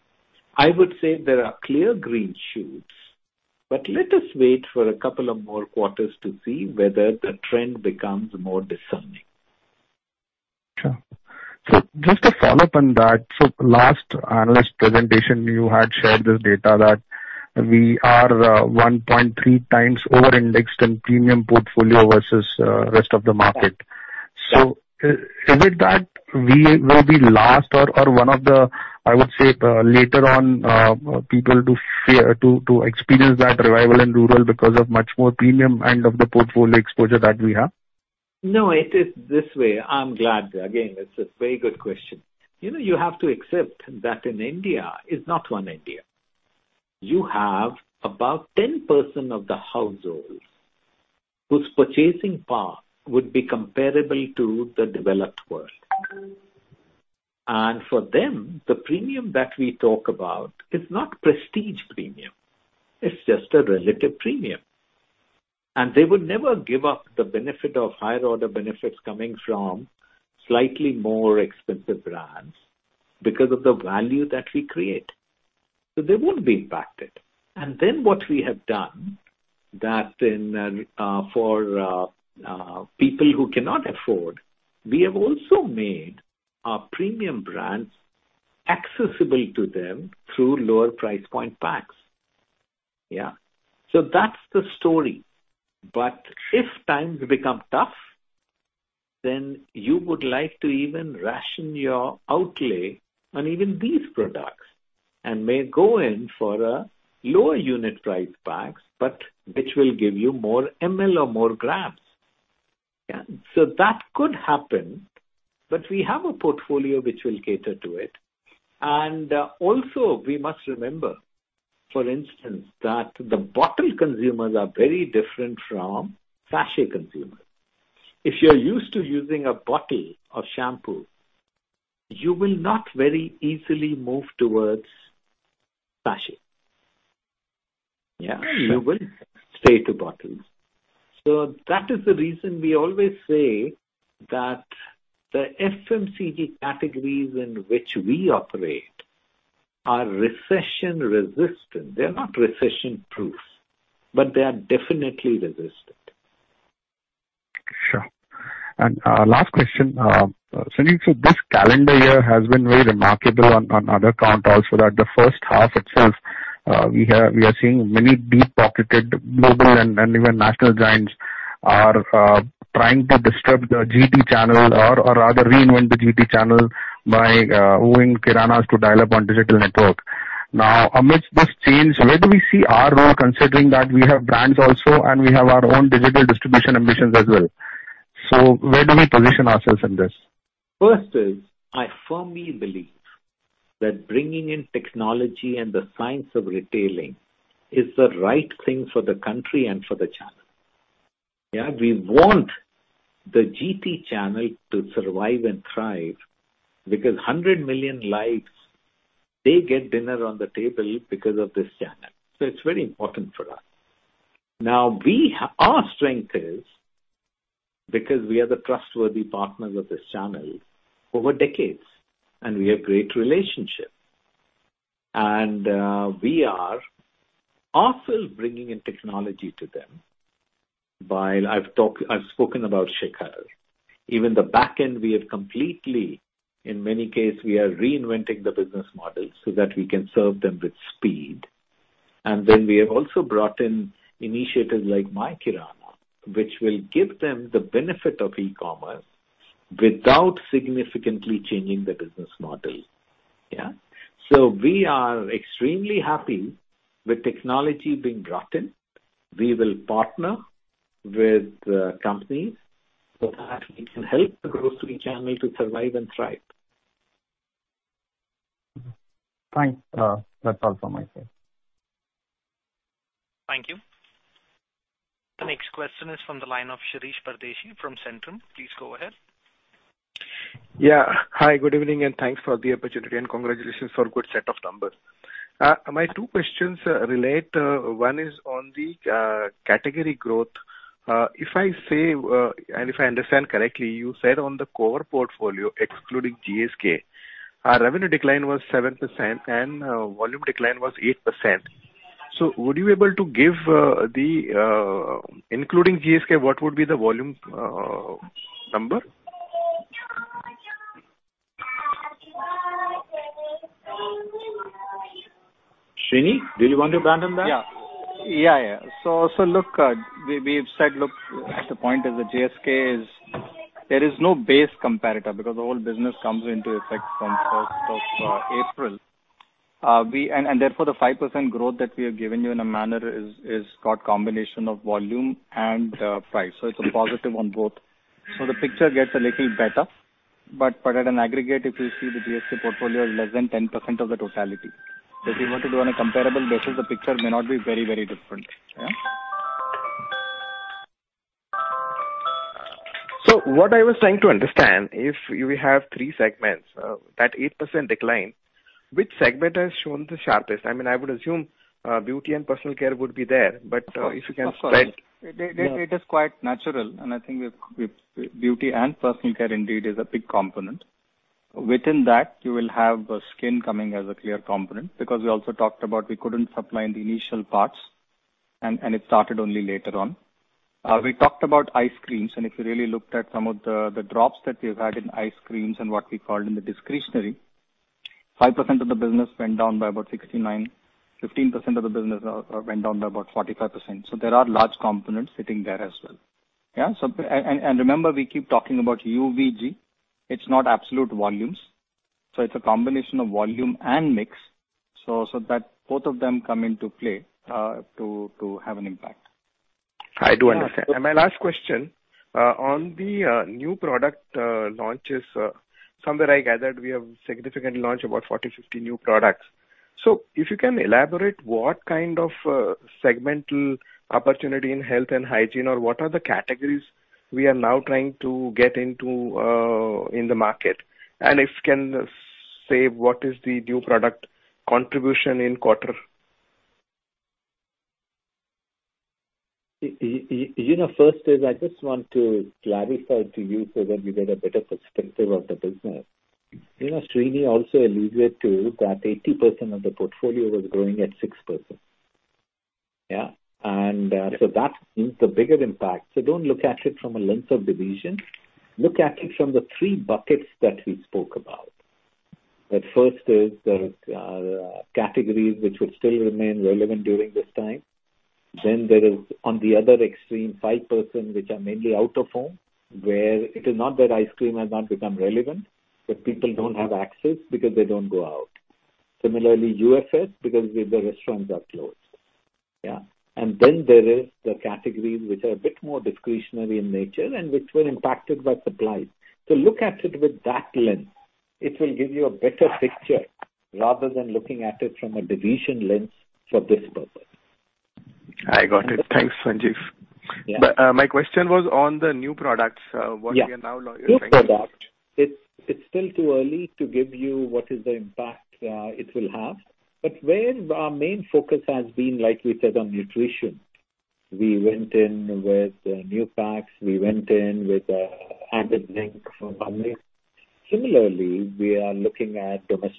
I would say there are clear green shoots, but let us wait for a couple of more quarters to see whether the trend becomes more discernible. Sure. So just to follow up on that, so last analyst presentation, you had shared this data that we are 1.3 times over-indexed in premium portfolio versus rest of the market. So is it that we will be last or one of the, I would say, later on people to experience that revival in rural because of much more premium end of the portfolio exposure that we have? No, it is this way. I'm glad. Again, it's a very good question. You have to accept that in India, it's not one India. You have about 10% of the households whose purchasing power would be comparable to the developed world. For them, the premium that we talk about is not prestige premium. It's just a relative premium. They would never give up the benefit of higher-order benefits coming from slightly more expensive brands because of the value that we create. So they wouldn't be impacted. Then what we have done that for people who cannot afford, we have also made our premium brands accessible to them through lower price point packs. Yeah. So that's the story. If times become tough, then you would like to even ration your outlay on even these products and may go in for lower unit price packs, but which will give you more ml or more grams. Yeah. So that could happen, but we have a portfolio which will cater to it. We must remember, for instance, that the bottle consumers are very different from sachet consumers. If you're used to using a bottle of shampoo, you will not very easily move towards sachet. Yeah. You will stay to bottles. So that is the reason we always say that the FMCG categories in which we operate are recession-resistant. They're not recession-proof, but they are definitely resistant. Sure and last question, Sanjiv, so this calendar year has been very remarkable on other counts also that the first half itself, we are seeing many deep-pocketed global and even national giants are trying to disturb the GT channel or rather reinvent the GT channel by wooing Kiranas to dial up on digital network. Now, amidst this change, where do we see our role considering that we have brands also and we have our own digital distribution ambitions as well? So where do we position ourselves in this? First is, I firmly believe that bringing in technology and the science of retailing is the right thing for the country and for the channel. Yeah. We want the GT channel to survive and thrive because 100 million lives, they get dinner on the table because of this channel. So it's very important for us. Now, our strength is because we are the trustworthy partners of this channel over decades, and we have great relationships. We are also bringing in technology to them. I've spoken about Shikhar. Even the backend, we have completely, in many cases, we are reinventing the business model so that we can serve them with speed. Then we have also brought in initiatives like MyKirana, which will give them the benefit of e-commerce without significantly changing the business model. Yeah. So we are extremely happy with technology being brought in. We will partner with companies so that we can help the grocery channel to survive and thrive. Thanks. That's all from my side. Thank you. The next question is from the line of Shirish Pardeshi from Centrum. Please go ahead. Yeah. Hi. Good evening and thanks for the opportunity and congratulations for a good set of numbers. My two questions relate. One is on the category growth. If I say, and if I understand correctly, you said on the core portfolio, excluding GSK, revenue decline was 7% and volume decline was 8%. So would you be able to give the, including GSK, what would be the volume number? Shrini, did you want to abandon that? Yeah. Yeah. Yeah. So look, we've said, look, the point is that GSK, there is no base comparator because the whole business comes into effect from 1st of April. Therefore, the 5% growth that we have given you in a manner is called combination of volume and price. So it's a positive on both. So the picture gets a little better. At an aggregate, if you see the GSK portfolio is less than 10% of the totality. So if you want to do on a comparable basis, the picture may not be very, very different. Yeah. So what I was trying to understand, if we have three segments, that 8% decline, which segment has shown the sharpest? I mean, I would assume beauty and personal care would be there. If you can spread. It is quite natural. I think beauty and personal care indeed is a big component. Within that, you will have skin coming as a clear component because we also talked about we couldn't supply in the initial parts, and it started only later on. We talked about ice creams. If you really looked at some of the drops that we've had in ice creams and what we called in the discretionary, 5% of the business went down by about 69%. 15% of the business went down by about 45%. So there are large components sitting there as well. Yeah. Remember, we keep talking about UVG. It's not absolute volumes. So it's a combination of volume and mix so that both of them come into play to have an impact. I do understand. My last question, on the new product launches, somewhere I gathered we have significantly launched about 40, 50 new products. So if you can elaborate what kind of segmental opportunity in health and hygiene or what are the categories we are now trying to get into in the market? And if you can say what is the new product contribution in quarter? First is I just want to clarify to you so that you get a better perspective of the business. Srinivas also alluded to that 80% of the portfolio was growing at 6%. Yeah. That is the bigger impact. So don't look at it from a lens of division. Look at it from the three buckets that we spoke about. The first is there are categories which would still remain relevant during this time. Then there is, on the other extreme, 5% which are mainly out of home, where it is not that ice cream has not become relevant, but people don't have access because they don't go out. Similarly, UFS because the restaurants are closed. Yeah. Then there is the categories which are a bit more discretionary in nature and which were impacted by supplies. So look at it with that lens. It will give you a better picture rather than looking at it from a division lens for this purpose. I got it. Thanks, Sanjiv. My question was on the new products. What we are now. New product. It's still too early to give you what is the impact it will have. Where our main focus has been, like we said, on nutrition. We went in with new packs. We went in with added zinc for mommies. Similarly, we are looking at Domex.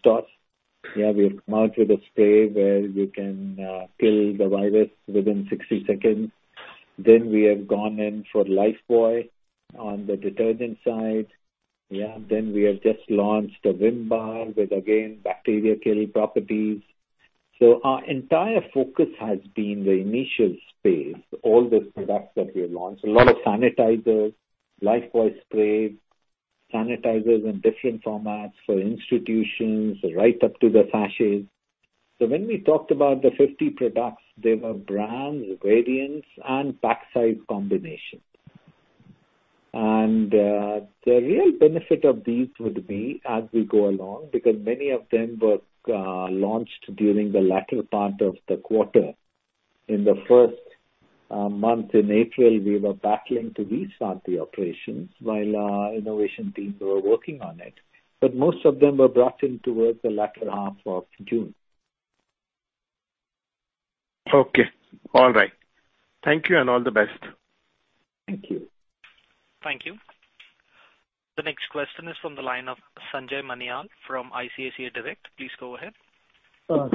Yeah. We have come out with a spray where you can kill the virus within 60 seconds. Then we have gone in for Lifebuoy on the detergent side. Yeah. Then we have just launched a Vim bar with, again, bacteria-kill properties. So our entire focus has been the hygiene space, all the products that we have launched. A lot of sanitizers, Lifebuoy sprays, sanitizers in different formats for institutions right up to the sachets. So when we talked about the 50 products, they were brands, variants, and pack-size combinations. The real benefit of these would be as we go along because many of them were launched during the latter part of the quarter. In the first month in April, we were battling to restart the operations while our innovation teams were working on it. Most of them were brought in towards the latter half of June. Okay. All right. Thank you and all the best. Thank you. Thank you. The next question is from the line of Sanjay Manyal from ICICI Direct. Please go ahead. Hello,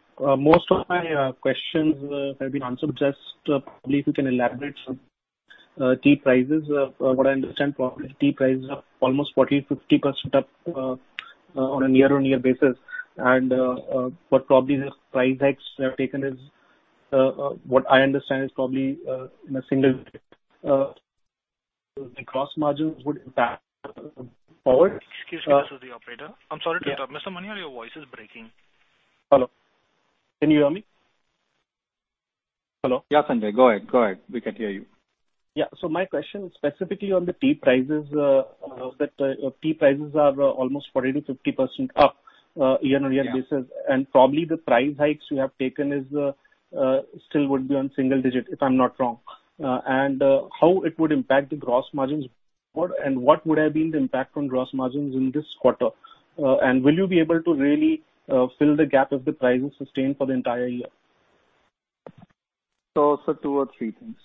sir. Most of my questions have been answered. Just probably if you can elaborate some key prices. What I understand, probably key prices are almost 40%-50% up on a year-on-year basis. What probably the price hikes have taken is, what I understand, is probably in a single - the gross margins would impact forward. Excuse me, this is the operator. I'm sorry to interrupt. Mr. Manyal, your voice is breaking. Hello. Can you hear me? Hello? Yeah, Sanjay. Go ahead. Go ahead. We can hear you. Yeah. So my question specifically on the tea prices is that tea prices are almost 40%-50% up on a year-on-year basis. Probably the price hikes you have taken still would be on single digit if I'm not wrong. How it would impact the gross margins and what would have been the impact on gross margins in this quarter? And will you be able to really fill the gap if the prices sustain for the entire year? So two or three things.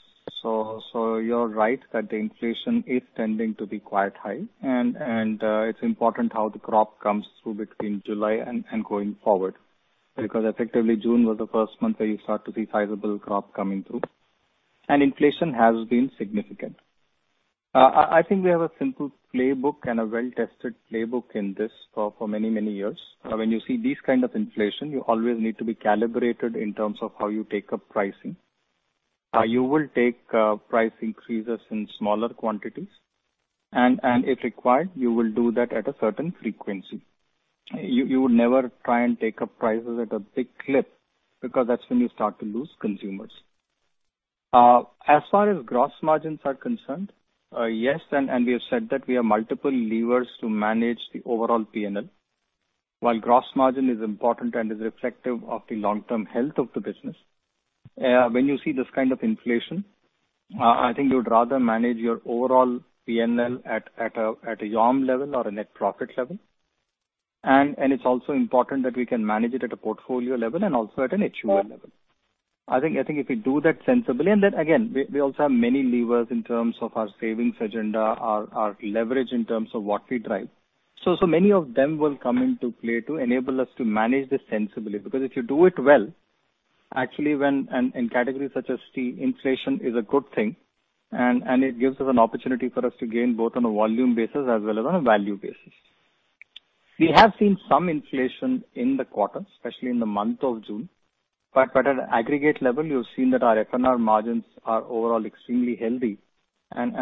So you're right that the inflation is tending to be quite high. It's important how the crop comes through between July and going forward because effectively June was the first month where you start to see sizable crop coming through. Inflation has been significant. I think we have a simple playbook and a well-tested playbook in this for many, many years. When you see these kinds of inflation, you always need to be calibrated in terms of how you take up pricing. You will take price increases in smaller quantities. If required, you will do that at a certain frequency. You would never try and take up prices at a big clip because that's when you start to lose consumers. As far as gross margins are concerned, yes. We have said that we have multiple levers to manage the overall P&L. While gross margin is important and is reflective of the long-term health of the business, when you see this kind of inflation, I think you would rather manage your overall P&L at a UOM level or a net profit level. It's also important that we can manage it at a portfolio level and also at an HUL level. I think if we do that sensibly and then, again, we also have many levers in terms of our savings agenda, our leverage in terms of what we drive. So many of them will come into play to enable us to manage this sensibly because if you do it well, actually, in categories such as tea, inflation is a good thing. It gives us an opportunity for us to gain both on a volume basis as well as on a value basis. We have seen some inflation in the quarter, especially in the month of June. At an aggregate level, you've seen that our F&R margins are overall extremely healthy.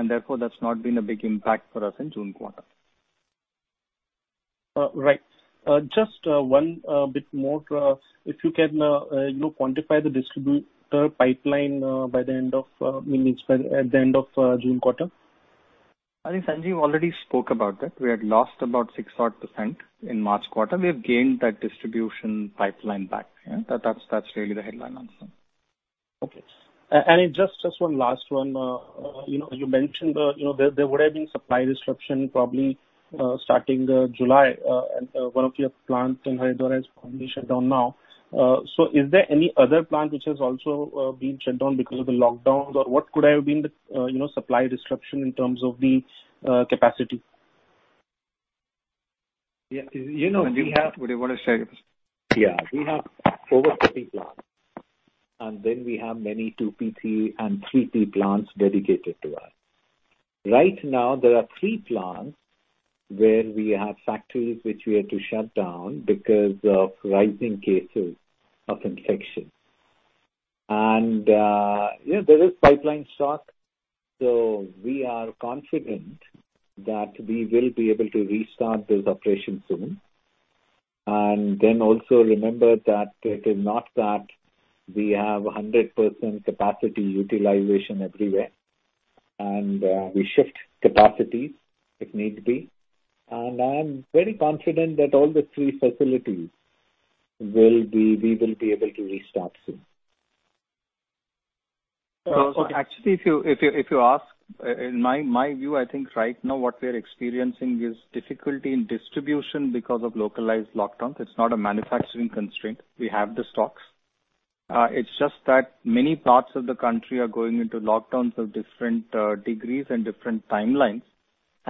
Therefore, that's not been a big impact for us in June quarter. Right. Just one bit more. If you can quantify the distributor pipeline by the end of June quarter? I think Sanjiv already spoke about that. We had lost about 60% in March quarter. We have gained that distribution pipeline back. That's really the headline answer. Okay. Just one last one. You mentioned there would have been supply disruption probably starting July. One of your plants in Haridwar is probably shut down now. So is there any other plant which has also been shut down because of the lockdowns? Or what could have been the supply disruption in terms of the capacity? Yeah. We have - would you want to share your question? Yeah. We have our own plants. Then we have many 2PL and 3PL plants dedicated to us. Right now, there are three plants where we have factories which we had to shut down because of rising cases of infection. There is pipeline stock. So we are confident that we will be able to restart those operations soon. Then also remember that it is not that we have 100% capacity utilization everywhere. We shift capacities if need be. I'm very confident that all the three facilities will be. We will be able to restart soon. Actually, if you ask, in my view, I think right now what we are experiencing is difficulty in distribution because of localized lockdowns. It's not a manufacturing constraint. We have the stocks. It's just that many parts of the country are going into lockdowns of different degrees and different timelines.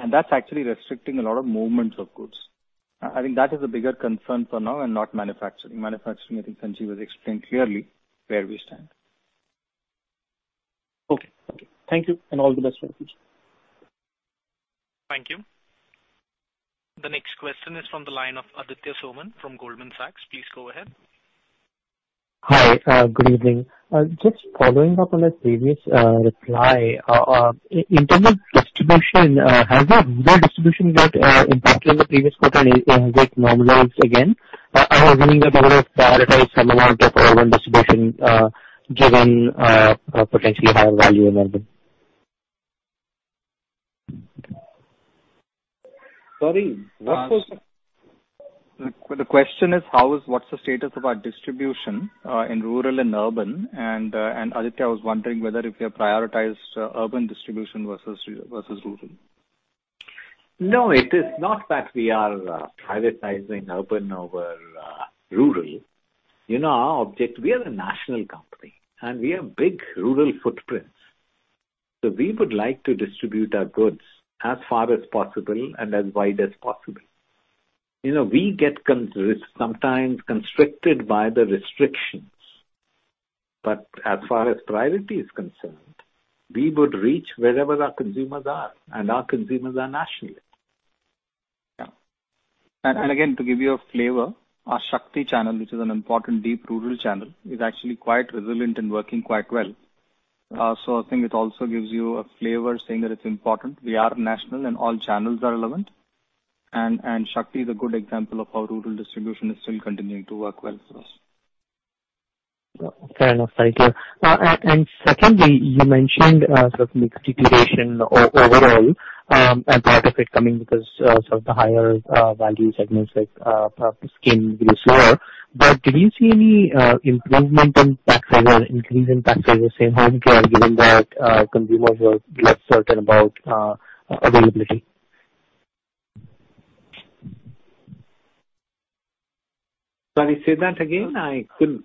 That's actually restricting a lot of movements of goods. I think that is the bigger concern for now and not manufacturing. Manufacturing, I think Sanjiv has explained clearly where we stand. Okay. Okay. Thank you. All the best for you, Sanjiv. Thank you. The next question is from the line of Aditya Soman from Goldman Sachs. Please go ahead. Hi. Good evening. Just following up on my previous reply, in terms of distribution, has the distribution got impacted in the previous quarter? And has it normalized again? I was wondering if you would have prioritized some amount of urban distribution given potentially higher value in urban. Sorry. What was. The question is, what's the status of our distribution in rural and urban? And Aditya was wondering whether if you have prioritized urban distribution versus rural. No, it is not that we are prioritizing urban over rural. Our objective, we are a national company. We have big rural footprints. So we would like to distribute our goods as far as possible and as wide as possible. We get sometimes constricted by the restrictions. As far as priority is concerned, we would reach wherever our consumers are. Our consumers are national. Yeah. Again, to give you a flavor, our Shakti channel, which is an important deep rural channel, is actually quite resilient and working quite well. So I think it also gives you a flavor saying that it's important. We are national and all channels are relevant. Shakti is a good example of how rural distribution is still continuing to work well for us. Fair enough. Thank you. Secondly, you mentioned sort of mixed situation overall and part of it coming because some of the higher value segments like skin growth lower. Did you see any improvement in pack size, increase in pack size, say, in home care given that consumers were less certain about availability? Sorry, say that again. I couldn't.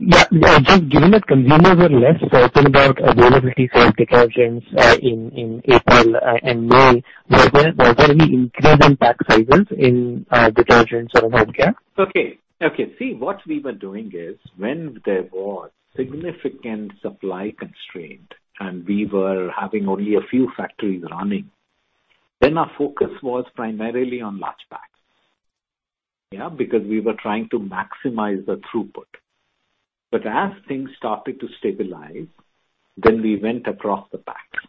Yeah. Just given that consumers were less certain about availability for detergents in April and May, was there any increase in pack sizes in detergents or in home care? Okay. Okay. See, what we were doing is when there was significant supply constraint and we were having only a few factories running, then our focus was primarily on large packs. Yeah. Because we were trying to maximize the throughput. As things started to stabilize, then we went across the packs.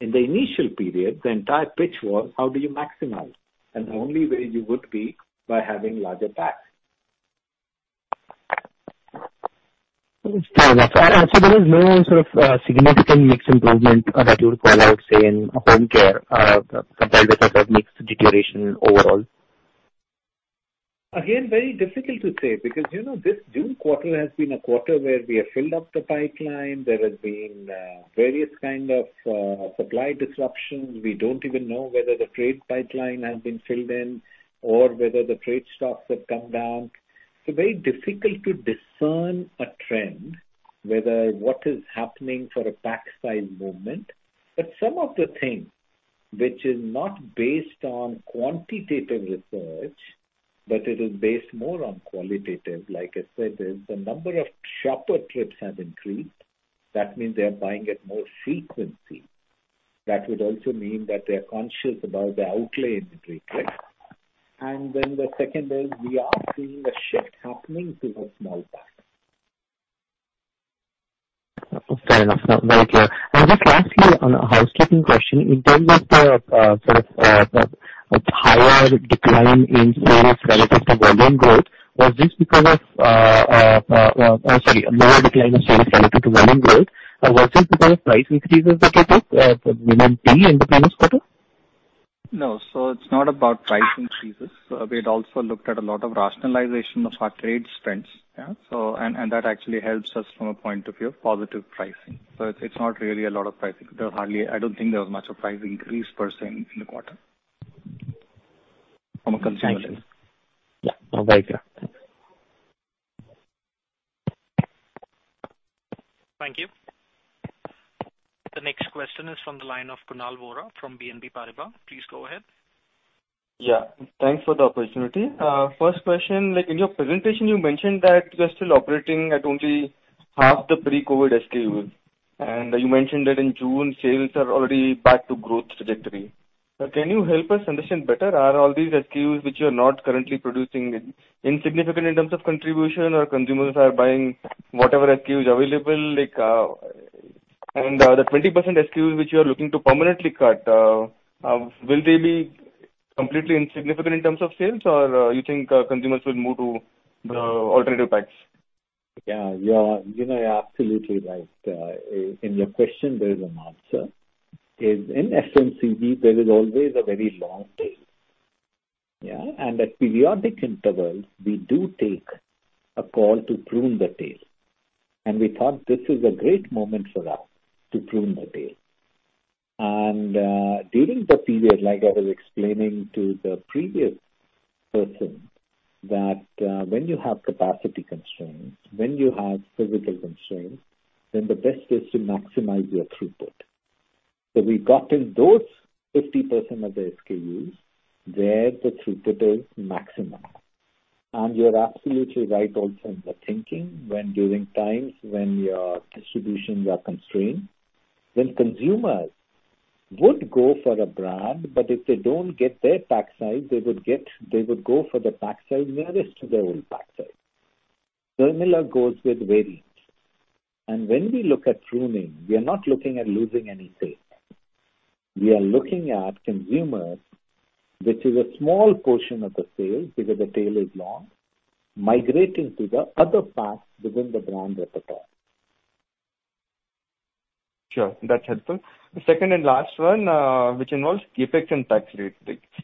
In the initial period, the entire pitch was, how do you maximize? And the only way you would be by having larger packs. Fair enough. There is no sort of significant mixed improvement that you would call out, say, in home care compared with a sort of mixed deterioration overall? Again, very difficult to say because this June quarter has been a quarter where we have filled up the pipeline. There have been various kinds of supply disruptions. We don't even know whether the freight pipeline has been filled in or whether the freight stocks have come down. It's very difficult to discern a trend, whether what is happening for a pack size movement. Some of the things which is not based on quantitative research, but it is based more on qualitative, like I said, is the number of shopper trips has increased. That means they are buying at more frequency. That would also mean that they are conscious about the outlay increase. Then the second is we are seeing a shift happening to the small pack. Fair enough. Thank you. Just lastly, on a housekeeping question, in terms of the sort of higher decline in sales relative to volume growth, was this because of, oh sorry, a lower decline of sales relative to volume growth? Was it because of price increases that you took for Vim and tea in the previous quarter? No. So it's not about price increases. We had also looked at a lot of rationalization of our trade spends. That actually helps us from a point of view of positive pricing. So it's not really a lot of pricing. I don't think there was much of a price increase per se in the quarter from a consumer lens. Yeah. No, very clear. Thank you. The next question is from the line of Kunal Vora from BNP Paribas. Please go ahead. Yeah. Thanks for the opportunity. First question. In your presentation, you mentioned that you are still operating at only half the pre-COVID SKUs, and you mentioned that in June, sales are already back to growth trajectory. Can you help us understand better? Are all these SKUs which you are not currently producing insignificant in terms of contribution, or consumers are buying whatever SKU is available? And the 20% SKUs which you are looking to permanently cut, will they be completely insignificant in terms of sales? Or you think consumers will move to the alternative packs? Yeah. You're absolutely right. In your question, there is an answer. In FMCG, there is always a very long tail, yeah, and at periodic intervals, we do take a call to prune the tail, and we thought this is a great moment for us to prune the tail. During the period, like I was explaining to the previous person, that when you have capacity constraints, when you have physical constraints, then the best is to maximize your throughput. So we've gotten those 50% of the SKUs where the throughput is maximum. You're absolutely right also in the thinking when during times when your distributions are constrained, then consumers would go for a brand, but if they don't get their pack size, they would go for the pack size nearest to their old pack size. Similar goes with variance. When we look at pruning, we are not looking at losing any sales. We are looking at consumers, which is a small portion of the sales because the tail is long, migrating to the other packs within the brand repertoire. Sure. That's helpful. The second and last one, which involves CapEx and tax rate.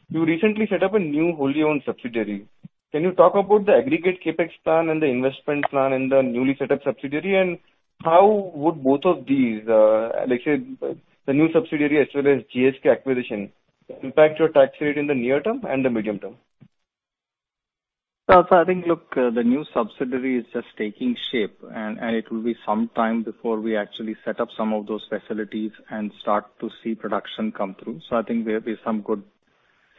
You recently set up a new wholly-owned subsidiary. Can you talk about the aggregate CapEx plan and the investment plan in the newly set up subsidiary? And how would both of these, like I said, the new subsidiary as well as GSK acquisition, impact your tax rate in the near term and the medium term? I think, look, the new subsidiary is just taking shape. It will be some time before we actually set up some of those facilities and start to see production come through. I think we have some good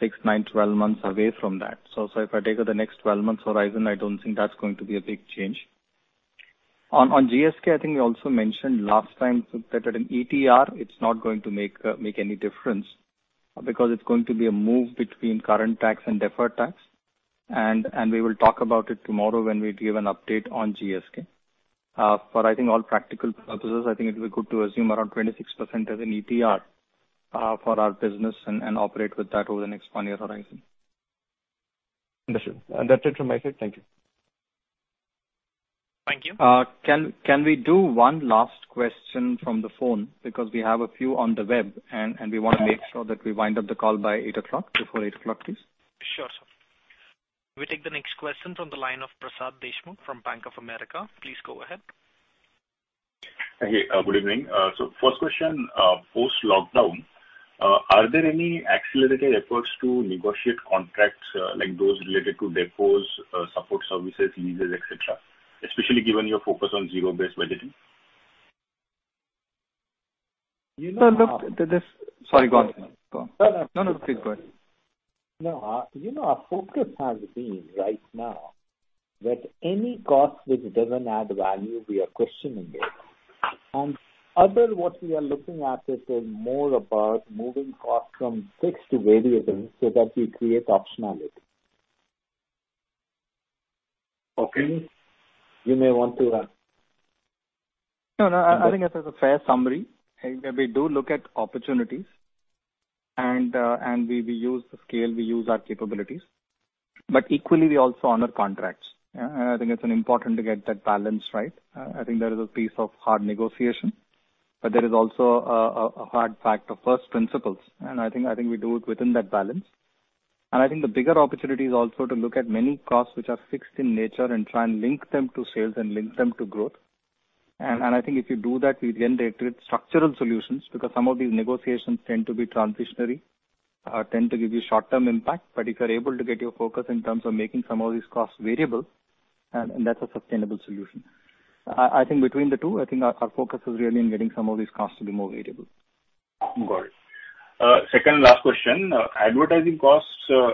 six, nine, 12 months away from that. If I take the next 12 months horizon, I don't think that's going to be a big change. On GSK, I think we also mentioned last time that at an ETR, it's not going to make any difference because it's going to be a move between current tax and deferred tax. We will talk about it tomorrow when we give an update on GSK. For, I think, all practical purposes, I think it would be good to assume around 26% as an ETR for our business and operate with that over the next one-year horizon. Understood. That's it from my side. Thank you. Thank you. Can we do one last question from the phone? Because we have a few on the web. We want to make sure that we wind up the call by 8 o'clock. Before 8 o'clock, please. Sure, sir. We take the next question from the line of Prasad Deshmukh from Bank of America. Please go ahead. Hey. Good evening. So first question, post-lockdown, are there any accelerated efforts to negotiate contracts like those related to depots, support services, leases, etc., especially given your focus on zero-based budgeting? No, look, there's. Sorry, go on, sir. No, no. Please go ahead. No. Our focus has been right now that any cost which doesn't add value, we are questioning it. Other what we are looking at is more about moving costs from fixed to variable so that we create optionality. Okay. You may want to. No, no. I think that's a fair summary. We do look at opportunities. We use the scale. We use our capabilities. Equally, we also honor contracts. I think it's important to get that balance right. I think there is a piece of hard negotiation. There is also a hard fact of first principles. I think we do it within that balance. I think the bigger opportunity is also to look at many costs which are fixed in nature and try and link them to sales and link them to growth. I think if you do that, we then create structural solutions because some of these negotiations tend to be transitionary, tend to give you short-term impact. If you're able to get your focus in terms of making some of these costs variable, then that's a sustainable solution. I think between the two, I think our focus is really in getting some of these costs to be more variable. Got it. Second and last question, advertising costs.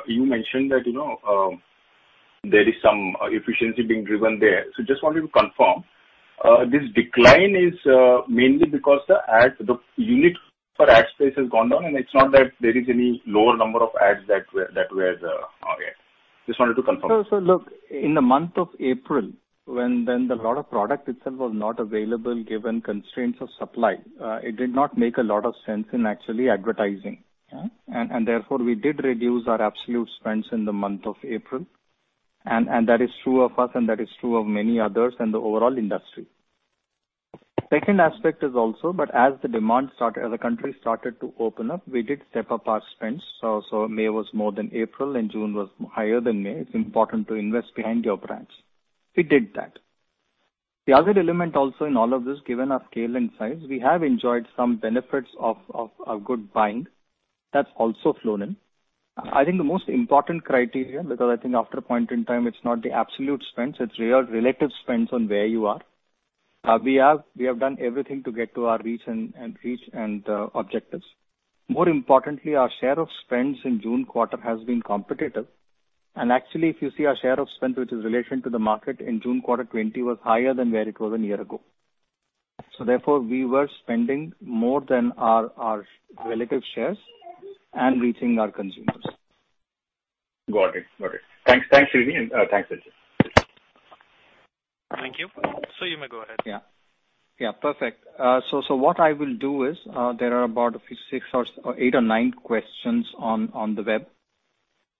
You mentioned that there is some efficiency being driven there. So just wanted to confirm. This decline is mainly because the unit for ad space has gone down. It's not that there is any lower number of ads that were. Yeah. Just wanted to confirm. So, look, in the month of April, when a lot of product itself was not available given constraints of supply, it did not make a lot of sense in actually advertising. Therefore, we did reduce our absolute spends in the month of April. That is true of us. That is true of many others and the overall industry. Second aspect is also, but as the demand started, as the country started to open up, we did step up our spends. So May was more than April. June was higher than May. It's important to invest behind your brands. We did that. The other element also in all of this, given our scale and size, we have enjoyed some benefits of good buying. That's also flowed in. I think the most important criteria, because I think after a point in time, it's not the absolute spends. It's real relative spends on where you are. We have done everything to get to our reach and objectives. More importantly, our share of spends in June quarter has been competitive. Actually, if you see our share of spend, which is relative to the market in June quarter 2020, was higher than where it was a year ago. So therefore, we were spending more than our relative shares and reaching our consumers. Got it. Got it. Thanks, Srini. Thanks, Sanjiv. Thank you. So you may go ahead. Yeah. Yeah. Perfect. So what I will do is there are about six or eight or nine questions on the web.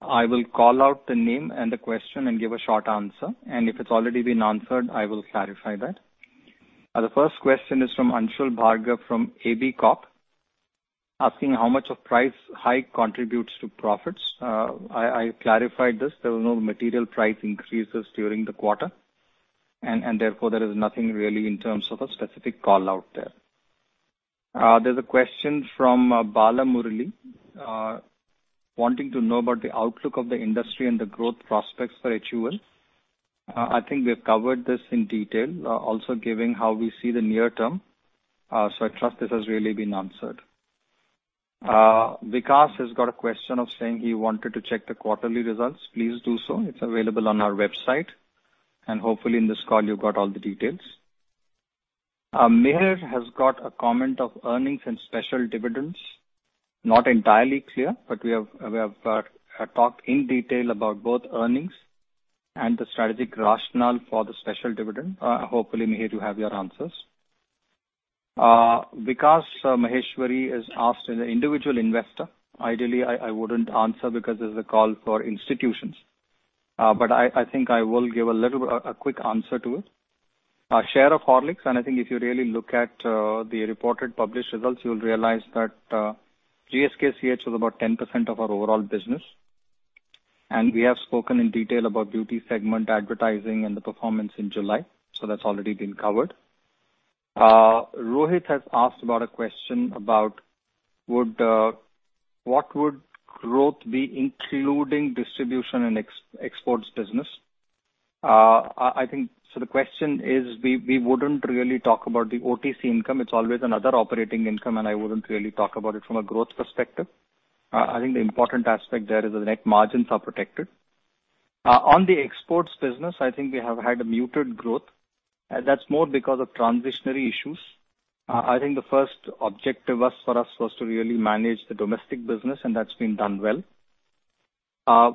I will call out the name and the question and give a short answer. If it's already been answered, I will clarify that. The first question is from Anshul Bhargava from Abakkus Asset Manager, asking how much of price hike contributes to profits. I clarified this. There were no material price increases during the quarter. Therefore, there is nothing really in terms of a specific call out there. There's a question from Bala Murali, wanting to know about the outlook of the industry and the growth prospects for HUL. I think we have covered this in detail, also giving how we see the near term. So I trust this has really been answered. Vikas has got a question of saying he wanted to check the quarterly results. Please do so. It's available on our website. Hopefully, in this call, you've got all the details. Meher has got a comment of earnings and special dividends. not entirely clear, but we have talked in detail about both earnings and the strategic rationale for the special dividend. Hopefully, Meher, you have your answers. Vivek Maheshwari is asked as an individual investor. Ideally, I wouldn't answer because there's a call for institutions. I think I will give a quick answer to it. Share of Horlicks. I think if you really look at the reported published results, you'll realize that GSKCH was about 10% of our overall business. We have spoken in detail about beauty segment advertising and the performance in July. So that's already been covered. Rohit has asked about a question about what would growth be including distribution and exports business. So the question is we wouldn't really talk about the OTC income. It's always another operating income. I wouldn't really talk about it from a growth perspective. I think the important aspect there is the net margins are protected. On the exports business, I think we have had a muted growth. That's more because of transitory issues. I think the first objective for us was to really manage the domestic business. That's been done well. That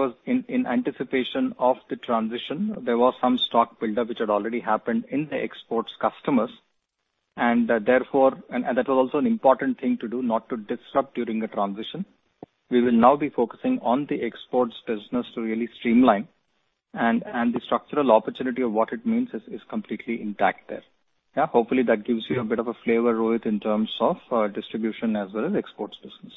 was in anticipation of the transition. There was some stock buildup which had already happened in the exports customers. That was also an important thing to do, not to disrupt during the transition. We will now be focusing on the exports business to really streamline. The structural opportunity of what it means is completely intact there. Yeah. Hopefully, that gives you a bit of a flavor, Rohit, in terms of distribution as well as exports business.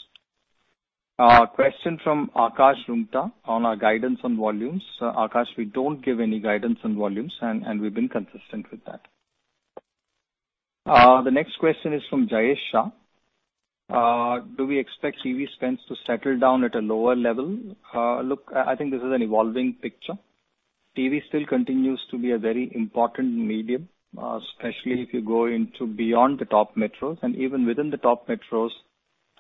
Question from Akash Rungta on our guidance on volumes. Akash, we don't give any guidance on volumes. We've been consistent with that. The next question is from Jayesh Shah. Do we expect TV spends to settle down at a lower level? Look, I think this is an evolving picture. TV still continues to be a very important medium, especially if you go into beyond the top metros. Even within the top metros,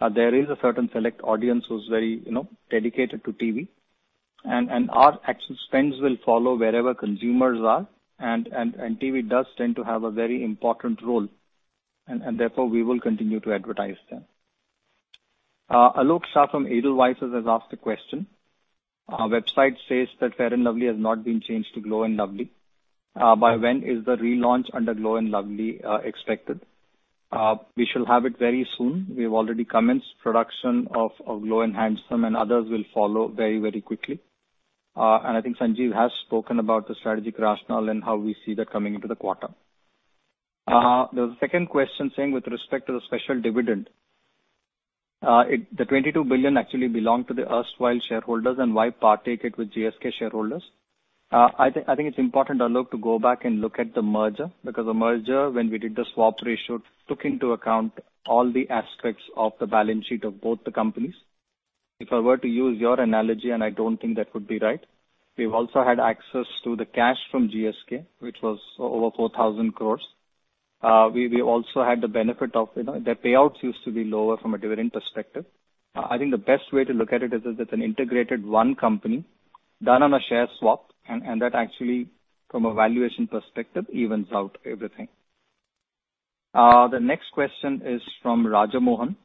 there is a certain select audience who's very dedicated to TV. Our actual spends will follow wherever consumers are. TV does tend to have a very important role. Therefore, we will continue to advertise them. Alok Shah from Edelweiss has asked a question. Our website says that Fair & Lovely has not been changed to Glow & Lovely. By when is the relaunch under Glow & Lovely expected? We shall have it very soon. We have already commenced production of Glow & Handsome. Others will follow very, very quickly. I think Sanjiv has spoken about the strategic rationale and how we see that coming into the quarter. There was a second question saying with respect to the special dividend. The 22 billion actually belonged to the erstwhile shareholders. Why partake it with GSK shareholders? I think it's important, Alok, to go back and look at the merger. Because the merger, when we did the swap ratio, took into account all the aspects of the balance sheet of both the companies. If I were to use your analogy, and I don't think that would be right, we've also had access to the cash from GSK, which was over 4,000 crores. We also had the benefit of their payouts used to be lower from a dividend perspective. I think the best way to look at it is that it's an integrated one company done on a share swap. That actually, from a valuation perspective, evens out everything. The next question is from Rajamohan.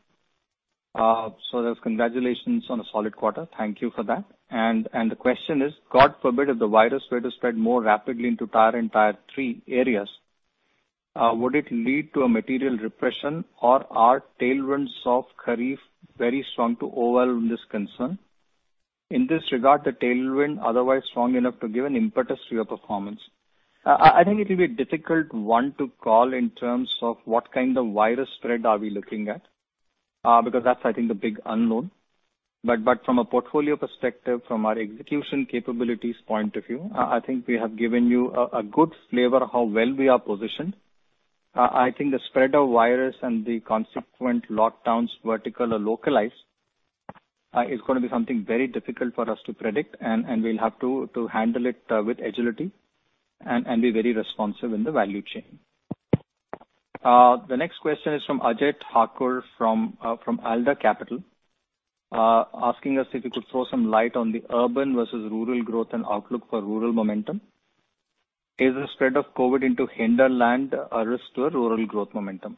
There's congratulations on a solid quarter. Thank you for that. The question is, God forbid, if the virus were to spread more rapidly into tier two and tier three areas, would it lead to a material recession? Or are tailwinds from Kharif very strong to overwhelm this concern? In this regard, the tailwind otherwise strong enough to give an impetus to your performance. I think it will be a difficult one to call in terms of what kind of virus spread are we looking at. Because that's, I think, the big unknown. From a portfolio perspective, from our execution capabilities point of view, I think we have given you a good flavor of how well we are positioned. I think the spread of virus and the consequent lockdowns, vertical or localized, is going to be something very difficult for us to predict. We'll have to handle it with agility and be very responsive in the value chain. The next question is from Ajay Thakur from Alder Capital, asking us if you could throw some light on the urban versus rural growth and outlook for rural momentum. Is the spread of COVID into hinterland a risk to a rural growth momentum?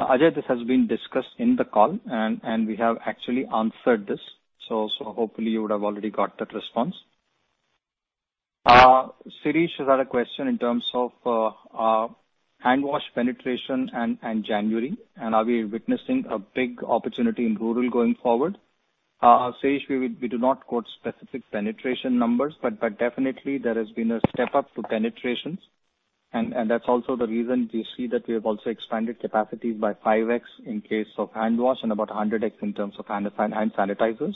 Ajay, this has been discussed in the call. We have actually answered this. So hopefully, you would have already got that response. Shirish has had a question in terms of handwash penetration and January. Are we witnessing a big opportunity in rural going forward? Shirish, we do not quote specific penetration numbers. Definitely, there has been a step up in penetrations. That's also the reason you see that we have also expanded capacities by 5x in case of handwash and about 100x in terms of hand sanitizers.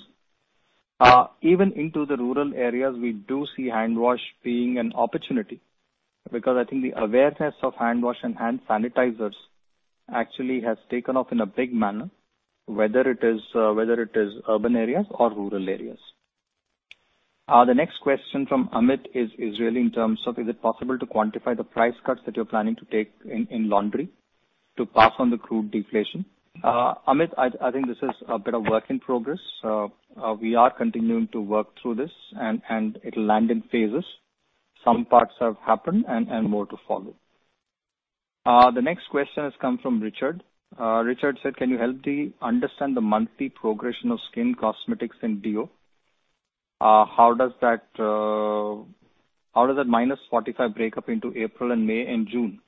Even into the rural areas, we do see handwash being an opportunity. Because I think the awareness of handwash and hand sanitizers actually has taken off in a big manner, whether it is urban areas or rural areas. The next question from Amit is really in terms of, is it possible to quantify the price cuts that you're planning to take in laundry to pass on the crude deflation? Amit, I think this is a bit of work in progress. We are continuing to work through this. It'll land in phases. Some parts have happened and more to follow. The next question has come from Richard. Richard said, can you help me understand the monthly progression of skin, cosmetics, and deo? How does that minus 45 break up into April and May and June,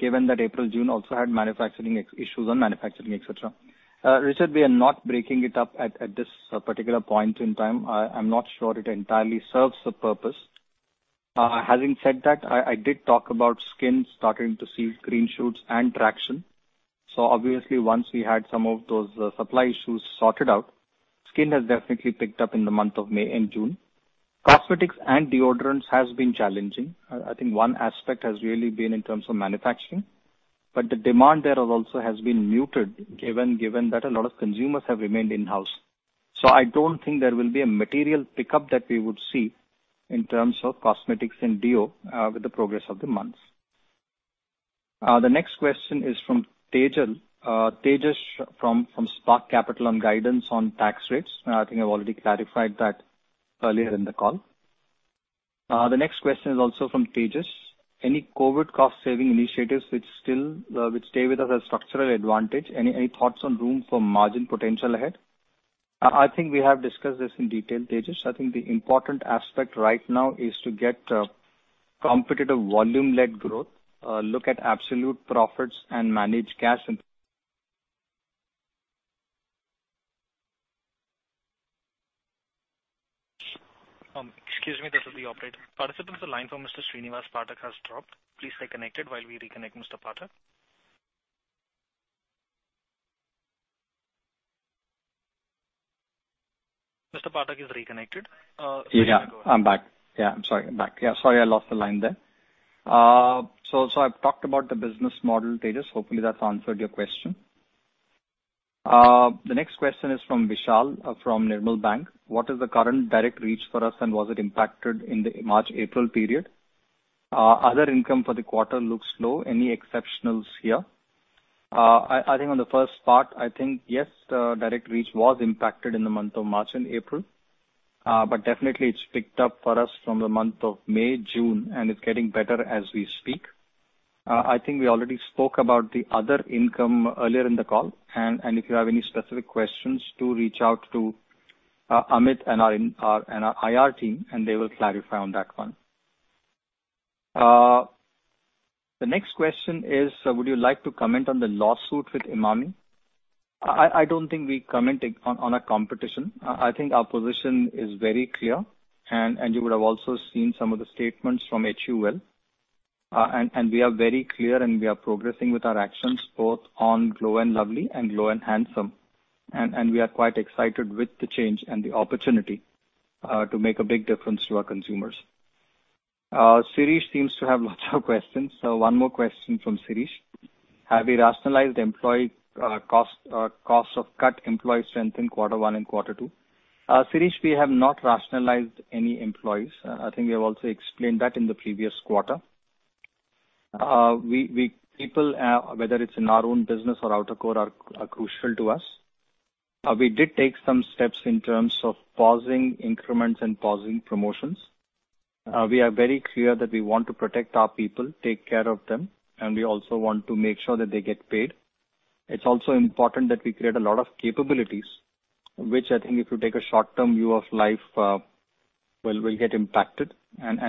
given that April, June also had manufacturing issues on manufacturing, etc.? Richard, we are not breaking it up at this particular point in time. I'm not sure it entirely serves the purpose. Having said that, I did talk about skin starting to see green shoots and traction. So obviously, once we had some of those supply issues sorted out, skin has definitely picked up in the month of May and June. Cosmetics and deodorants have been challenging. I think one aspect has really been in terms of manufacturing. The demand there also has been muted, given that a lot of consumers have remained in-house. So I don't think there will be a material pickup that we would see in terms of cosmetics and deodorants with the progress of the months. The next question is from Tejas. Tejas from Spark Capital on guidance on tax rates. I think I've already clarified that earlier in the call. The next question is also from Tejas. Any COVID cost-saving initiatives which stay with us as structural advantage? Any thoughts on room for margin potential ahead? I think we have discussed this in detail, Tejas. I think the important aspect right now is to get competitive volume-led growth, look at absolute profits, and manage cash. Excuse me, this is the operator. The line for Mr. Srinivas Phatak has dropped. Please stay connected while we reconnect Mr. Phatak. Mr. Phatak is reconnected. Yeah. I'm back. Yeah. I'm sorry. I'm back. Yeah. Sorry, I lost the line there. So I've talked about the business model, Tejas. Hopefully, that's answered your question. The next question is from Vishal from Nirmal Bang. What is the current direct reach for us, and was it impacted in the March-April period? Other income for the quarter looks low. Any exceptionals here? I think on the first part, I think, yes, direct reach was impacted in the month of March and April. Definitely, it's picked up for us from the month of May, June. It's getting better as we speak. I think we already spoke about the other income earlier in the call. If you have any specific questions, do reach out to Amit and our IR team. They will clarify on that one. The next question is, would you like to comment on the lawsuit with Emami? I don't think we comment on a competition. I think our position is very clear. You would have also seen some of the statements from HUL. We are very clear. We are progressing with our actions both on Glow & Lovely and Glow & Handsome. We are quite excited with the change and the opportunity to make a big difference to our consumers. Shirish seems to have lots of questions. One more question from Shirish. Have we rationalized employee cost or cut employee strength in quarter one and quarter two? Shirish, we have not rationalized any employees. I think we have also explained that in the previous quarter. People, whether it's in our own business or our core, are crucial to us. We did take some steps in terms of pausing increments and pausing promotions. We are very clear that we want to protect our people, take care of them. We also want to make sure that they get paid. It's also important that we create a lot of capabilities, which I think if you take a short-term view of life, we'll get impacted.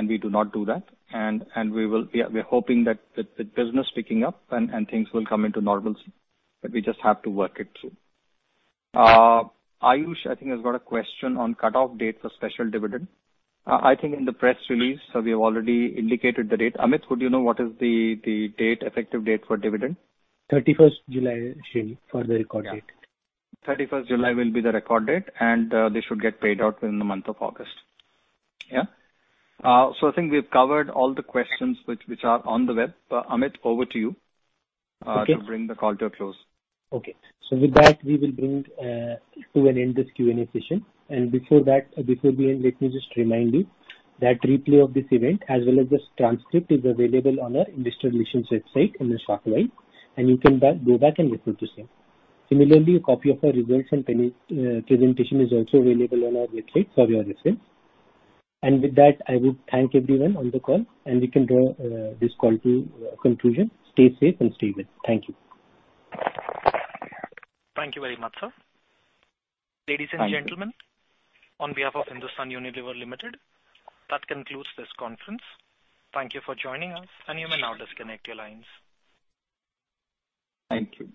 We do not do that. We're hoping that with business picking up, things will come into normalcy. We just have to work it through. Ayush, I think, has got a question on cutoff date for special dividend. I think in the press release, we have already indicated the date. Amit, would you know what is the effective date for dividend? 31st July for the record date. 31st July will be the record date. They should get paid out within the month of August. Yeah. So I think we've covered all the questions which are on the web. Amit, over to you to bring the call to a close. Okay. So with that, we will bring to an end this Q&A session. Before we end, let me just remind you that replay of this event, as well as this transcript, is available on our investor relations website in the shareholder web. You can go back and refer to see. Similarly, a copy of our results and presentation is also available on our website for your reference. With that, I would thank everyone on the call. We can draw this call to a conclusion. Stay safe and stay well. Thank you. Thank you very much, sir. Ladies and gentlemen, on behalf of Hindustan Unilever Limited, that concludes this conference. Thank you for joining us. And you may now disconnect your lines. Thank you.